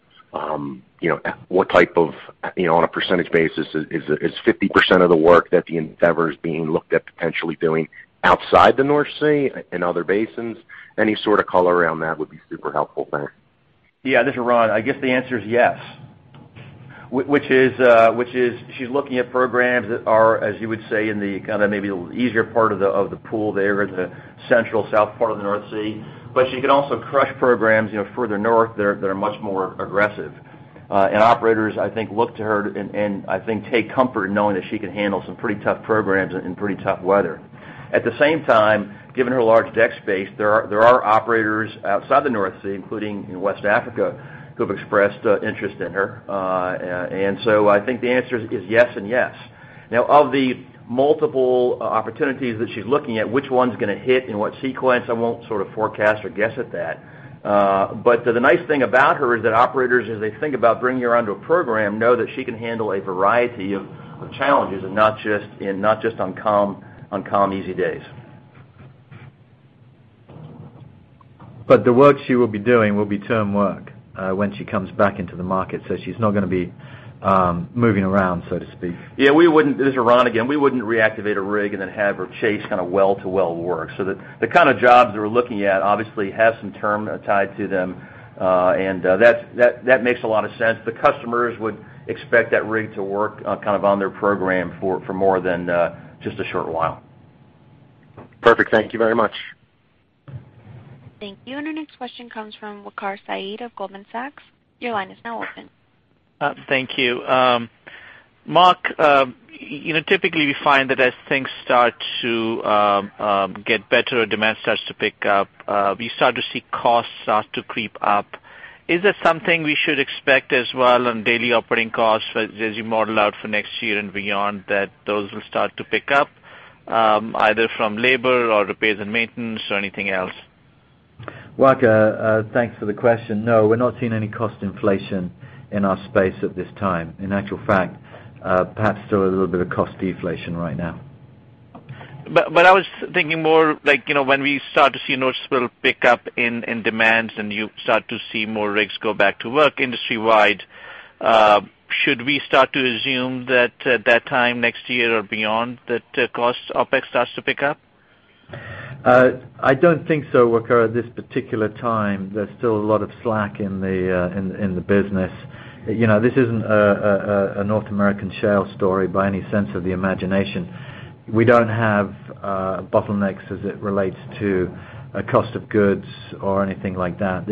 L: what type of, on a percentage basis, is 50% of the work that the Ocean Endeavor is being looked at potentially doing outside the North Sea in other basins? Any sort of color around that would be super helpful there.
F: Yeah, this is Ron. I guess the answer is yes. She's looking at programs that are, as you would say, in the kind of maybe the easier part of the pool there in the central south part of the North Sea, but she can also crush programs further north that are much more aggressive. Operators, I think, look to her and I think take comfort in knowing that she can handle some pretty tough programs in pretty tough weather. At the same time, given her large deck space, there are operators outside the North Sea, including in West Africa, who have expressed interest in her. So I think the answer is yes and yes. Now, of the multiple opportunities that she's looking at, which one's going to hit in what sequence? I won't sort of forecast or guess at that. The nice thing about her is that operators, as they think about bringing her onto a program, know that she can handle a variety of challenges and not just on calm, easy days.
C: The work she will be doing will be term work when she comes back into the market. She's not going to be moving around, so to speak.
F: Yeah, this is Ron again. We wouldn't reactivate a rig and then have her chase well-to-well work. The kind of jobs we're looking at obviously have some term tied to them, and that makes a lot of sense. The customers would expect that rig to work on their program for more than just a short while.
L: Perfect. Thank you very much.
A: Thank you. Our next question comes from Waqar Syed of Goldman Sachs. Your line is now open.
M: Thank you. Marc, typically we find that as things start to get better or demand starts to pick up, we start to see costs start to creep up. Is that something we should expect as well on daily operating costs as you model out for next year and beyond, that those will start to pick up, either from labor or repairs and maintenance or anything else?
C: Waqar, thanks for the question. No, we're not seeing any cost inflation in our space at this time. In actual fact, perhaps still a little bit of cost deflation right now.
M: I was thinking more like, when we start to see a noticeable pick up in demands and you start to see more rigs go back to work industry-wide, should we start to assume that that time next year or beyond that cost OpEx starts to pick up?
C: I don't think so, Waqar, at this particular time. There's still a lot of slack in the business. This isn't a North American shale story by any sense of the imagination. We don't have bottlenecks as it relates to cost of goods or anything like that.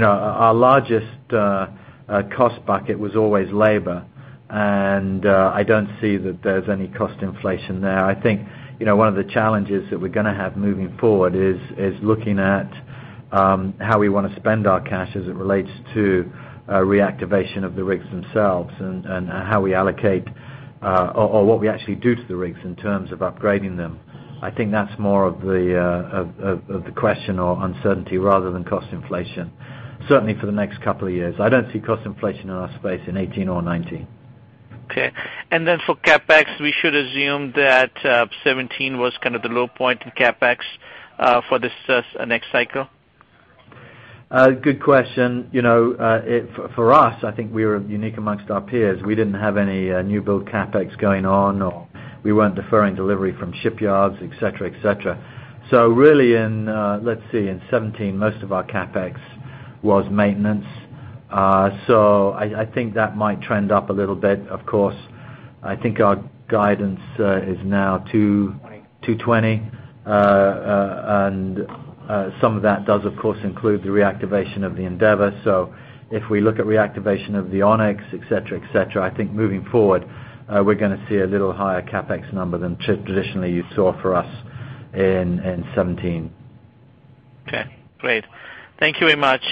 C: Our largest cost bucket was always labor, and I don't see that there's any cost inflation there. I think, one of the challenges that we're going to have moving forward is looking at how we want to spend our cash as it relates to reactivation of the rigs themselves and how we allocate or what we actually do to the rigs in terms of upgrading them. I think that's more of the question or uncertainty rather than cost inflation. Certainly for the next couple of years, I don't see cost inflation in our space in 2018 or 2019.
M: Okay. For CapEx, we should assume that 2017 was kind of the low point in CapEx for this next cycle?
C: Good question. For us, I think we are unique amongst our peers. We didn't have any new build CapEx going on, or we weren't deferring delivery from shipyards, et cetera. Really in, let's see, in 2017, most of our CapEx was maintenance. I think that might trend up a little bit, of course. I think our guidance is now $220, and some of that does, of course, include the reactivation of the Endeavor. If we look at reactivation of the Onyx, et cetera, I think moving forward, we're going to see a little higher CapEx number than traditionally you saw for us in 2017.
M: Okay, great. Thank you very much.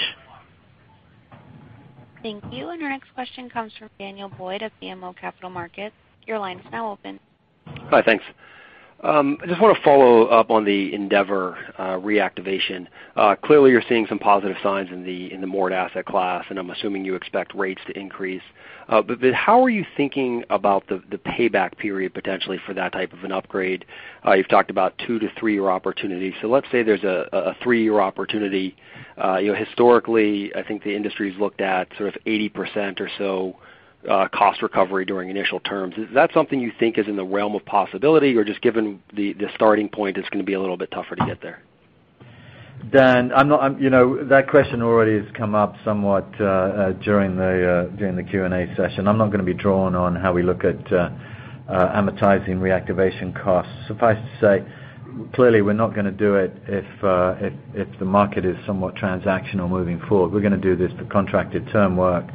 A: Thank you. Our next question comes from Daniel Boyd of BMO Capital Markets. Your line is now open.
N: Hi, thanks. I just want to follow up on the Endeavor reactivation. Clearly, you're seeing some positive signs in the moored asset class, and I'm assuming you expect rates to increase. How are you thinking about the payback period, potentially, for that type of an upgrade? You've talked about 2 to 3-year opportunities. Let's say there's a 3-year opportunity. Historically, I think the industry's looked at sort of 80% or so cost recovery during initial terms. Is that something you think is in the realm of possibility, or just given the starting point, it's going to be a little bit tougher to get there?
C: Dan, that question already has come up somewhat during the Q&A session. I'm not going to be drawn on how we look at amortizing reactivation costs. Suffice to say, clearly, we're not going to do it if the market is somewhat transactional moving forward. We're going to do this for contracted term work.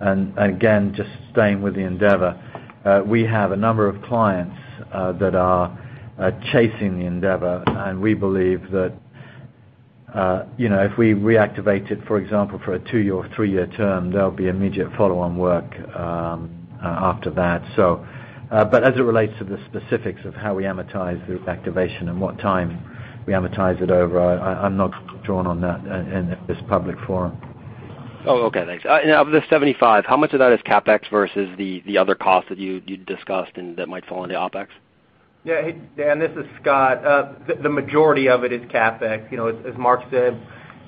C: Again, just staying with the Endeavor, we have a number of clients that are chasing the Endeavor, and we believe that if we reactivate it, for example, for a two-year or three-year term, there will be immediate follow-on work after that. As it relates to the specifics of how we amortize the reactivation and what time we amortize it over, I'm not drawn on that in this public forum.
N: Oh, okay, thanks. Of the $75, how much of that is CapEx versus the other costs that you discussed and that might fall into OpEx?
D: Hey, Dan, this is Scott. The majority of it is CapEx. As Marc said,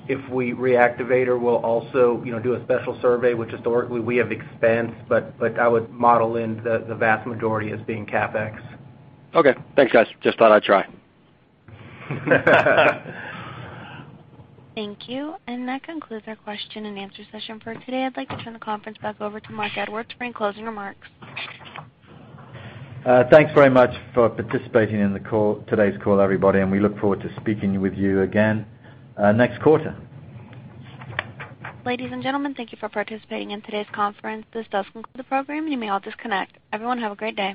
D: if we reactivate or we'll also do a Special Survey, which historically we have expensed, but I would model in the vast majority as being CapEx.
N: Okay, thanks, guys. Just thought I'd try.
A: Thank you. That concludes our question and answer session for today. I'd like to turn the conference back over to Marc Edwards for any closing remarks.
C: Thanks very much for participating in today's call, everybody. We look forward to speaking with you again next quarter.
A: Ladies and gentlemen, thank you for participating in today's conference. This does conclude the program. You may all disconnect. Everyone have a great day.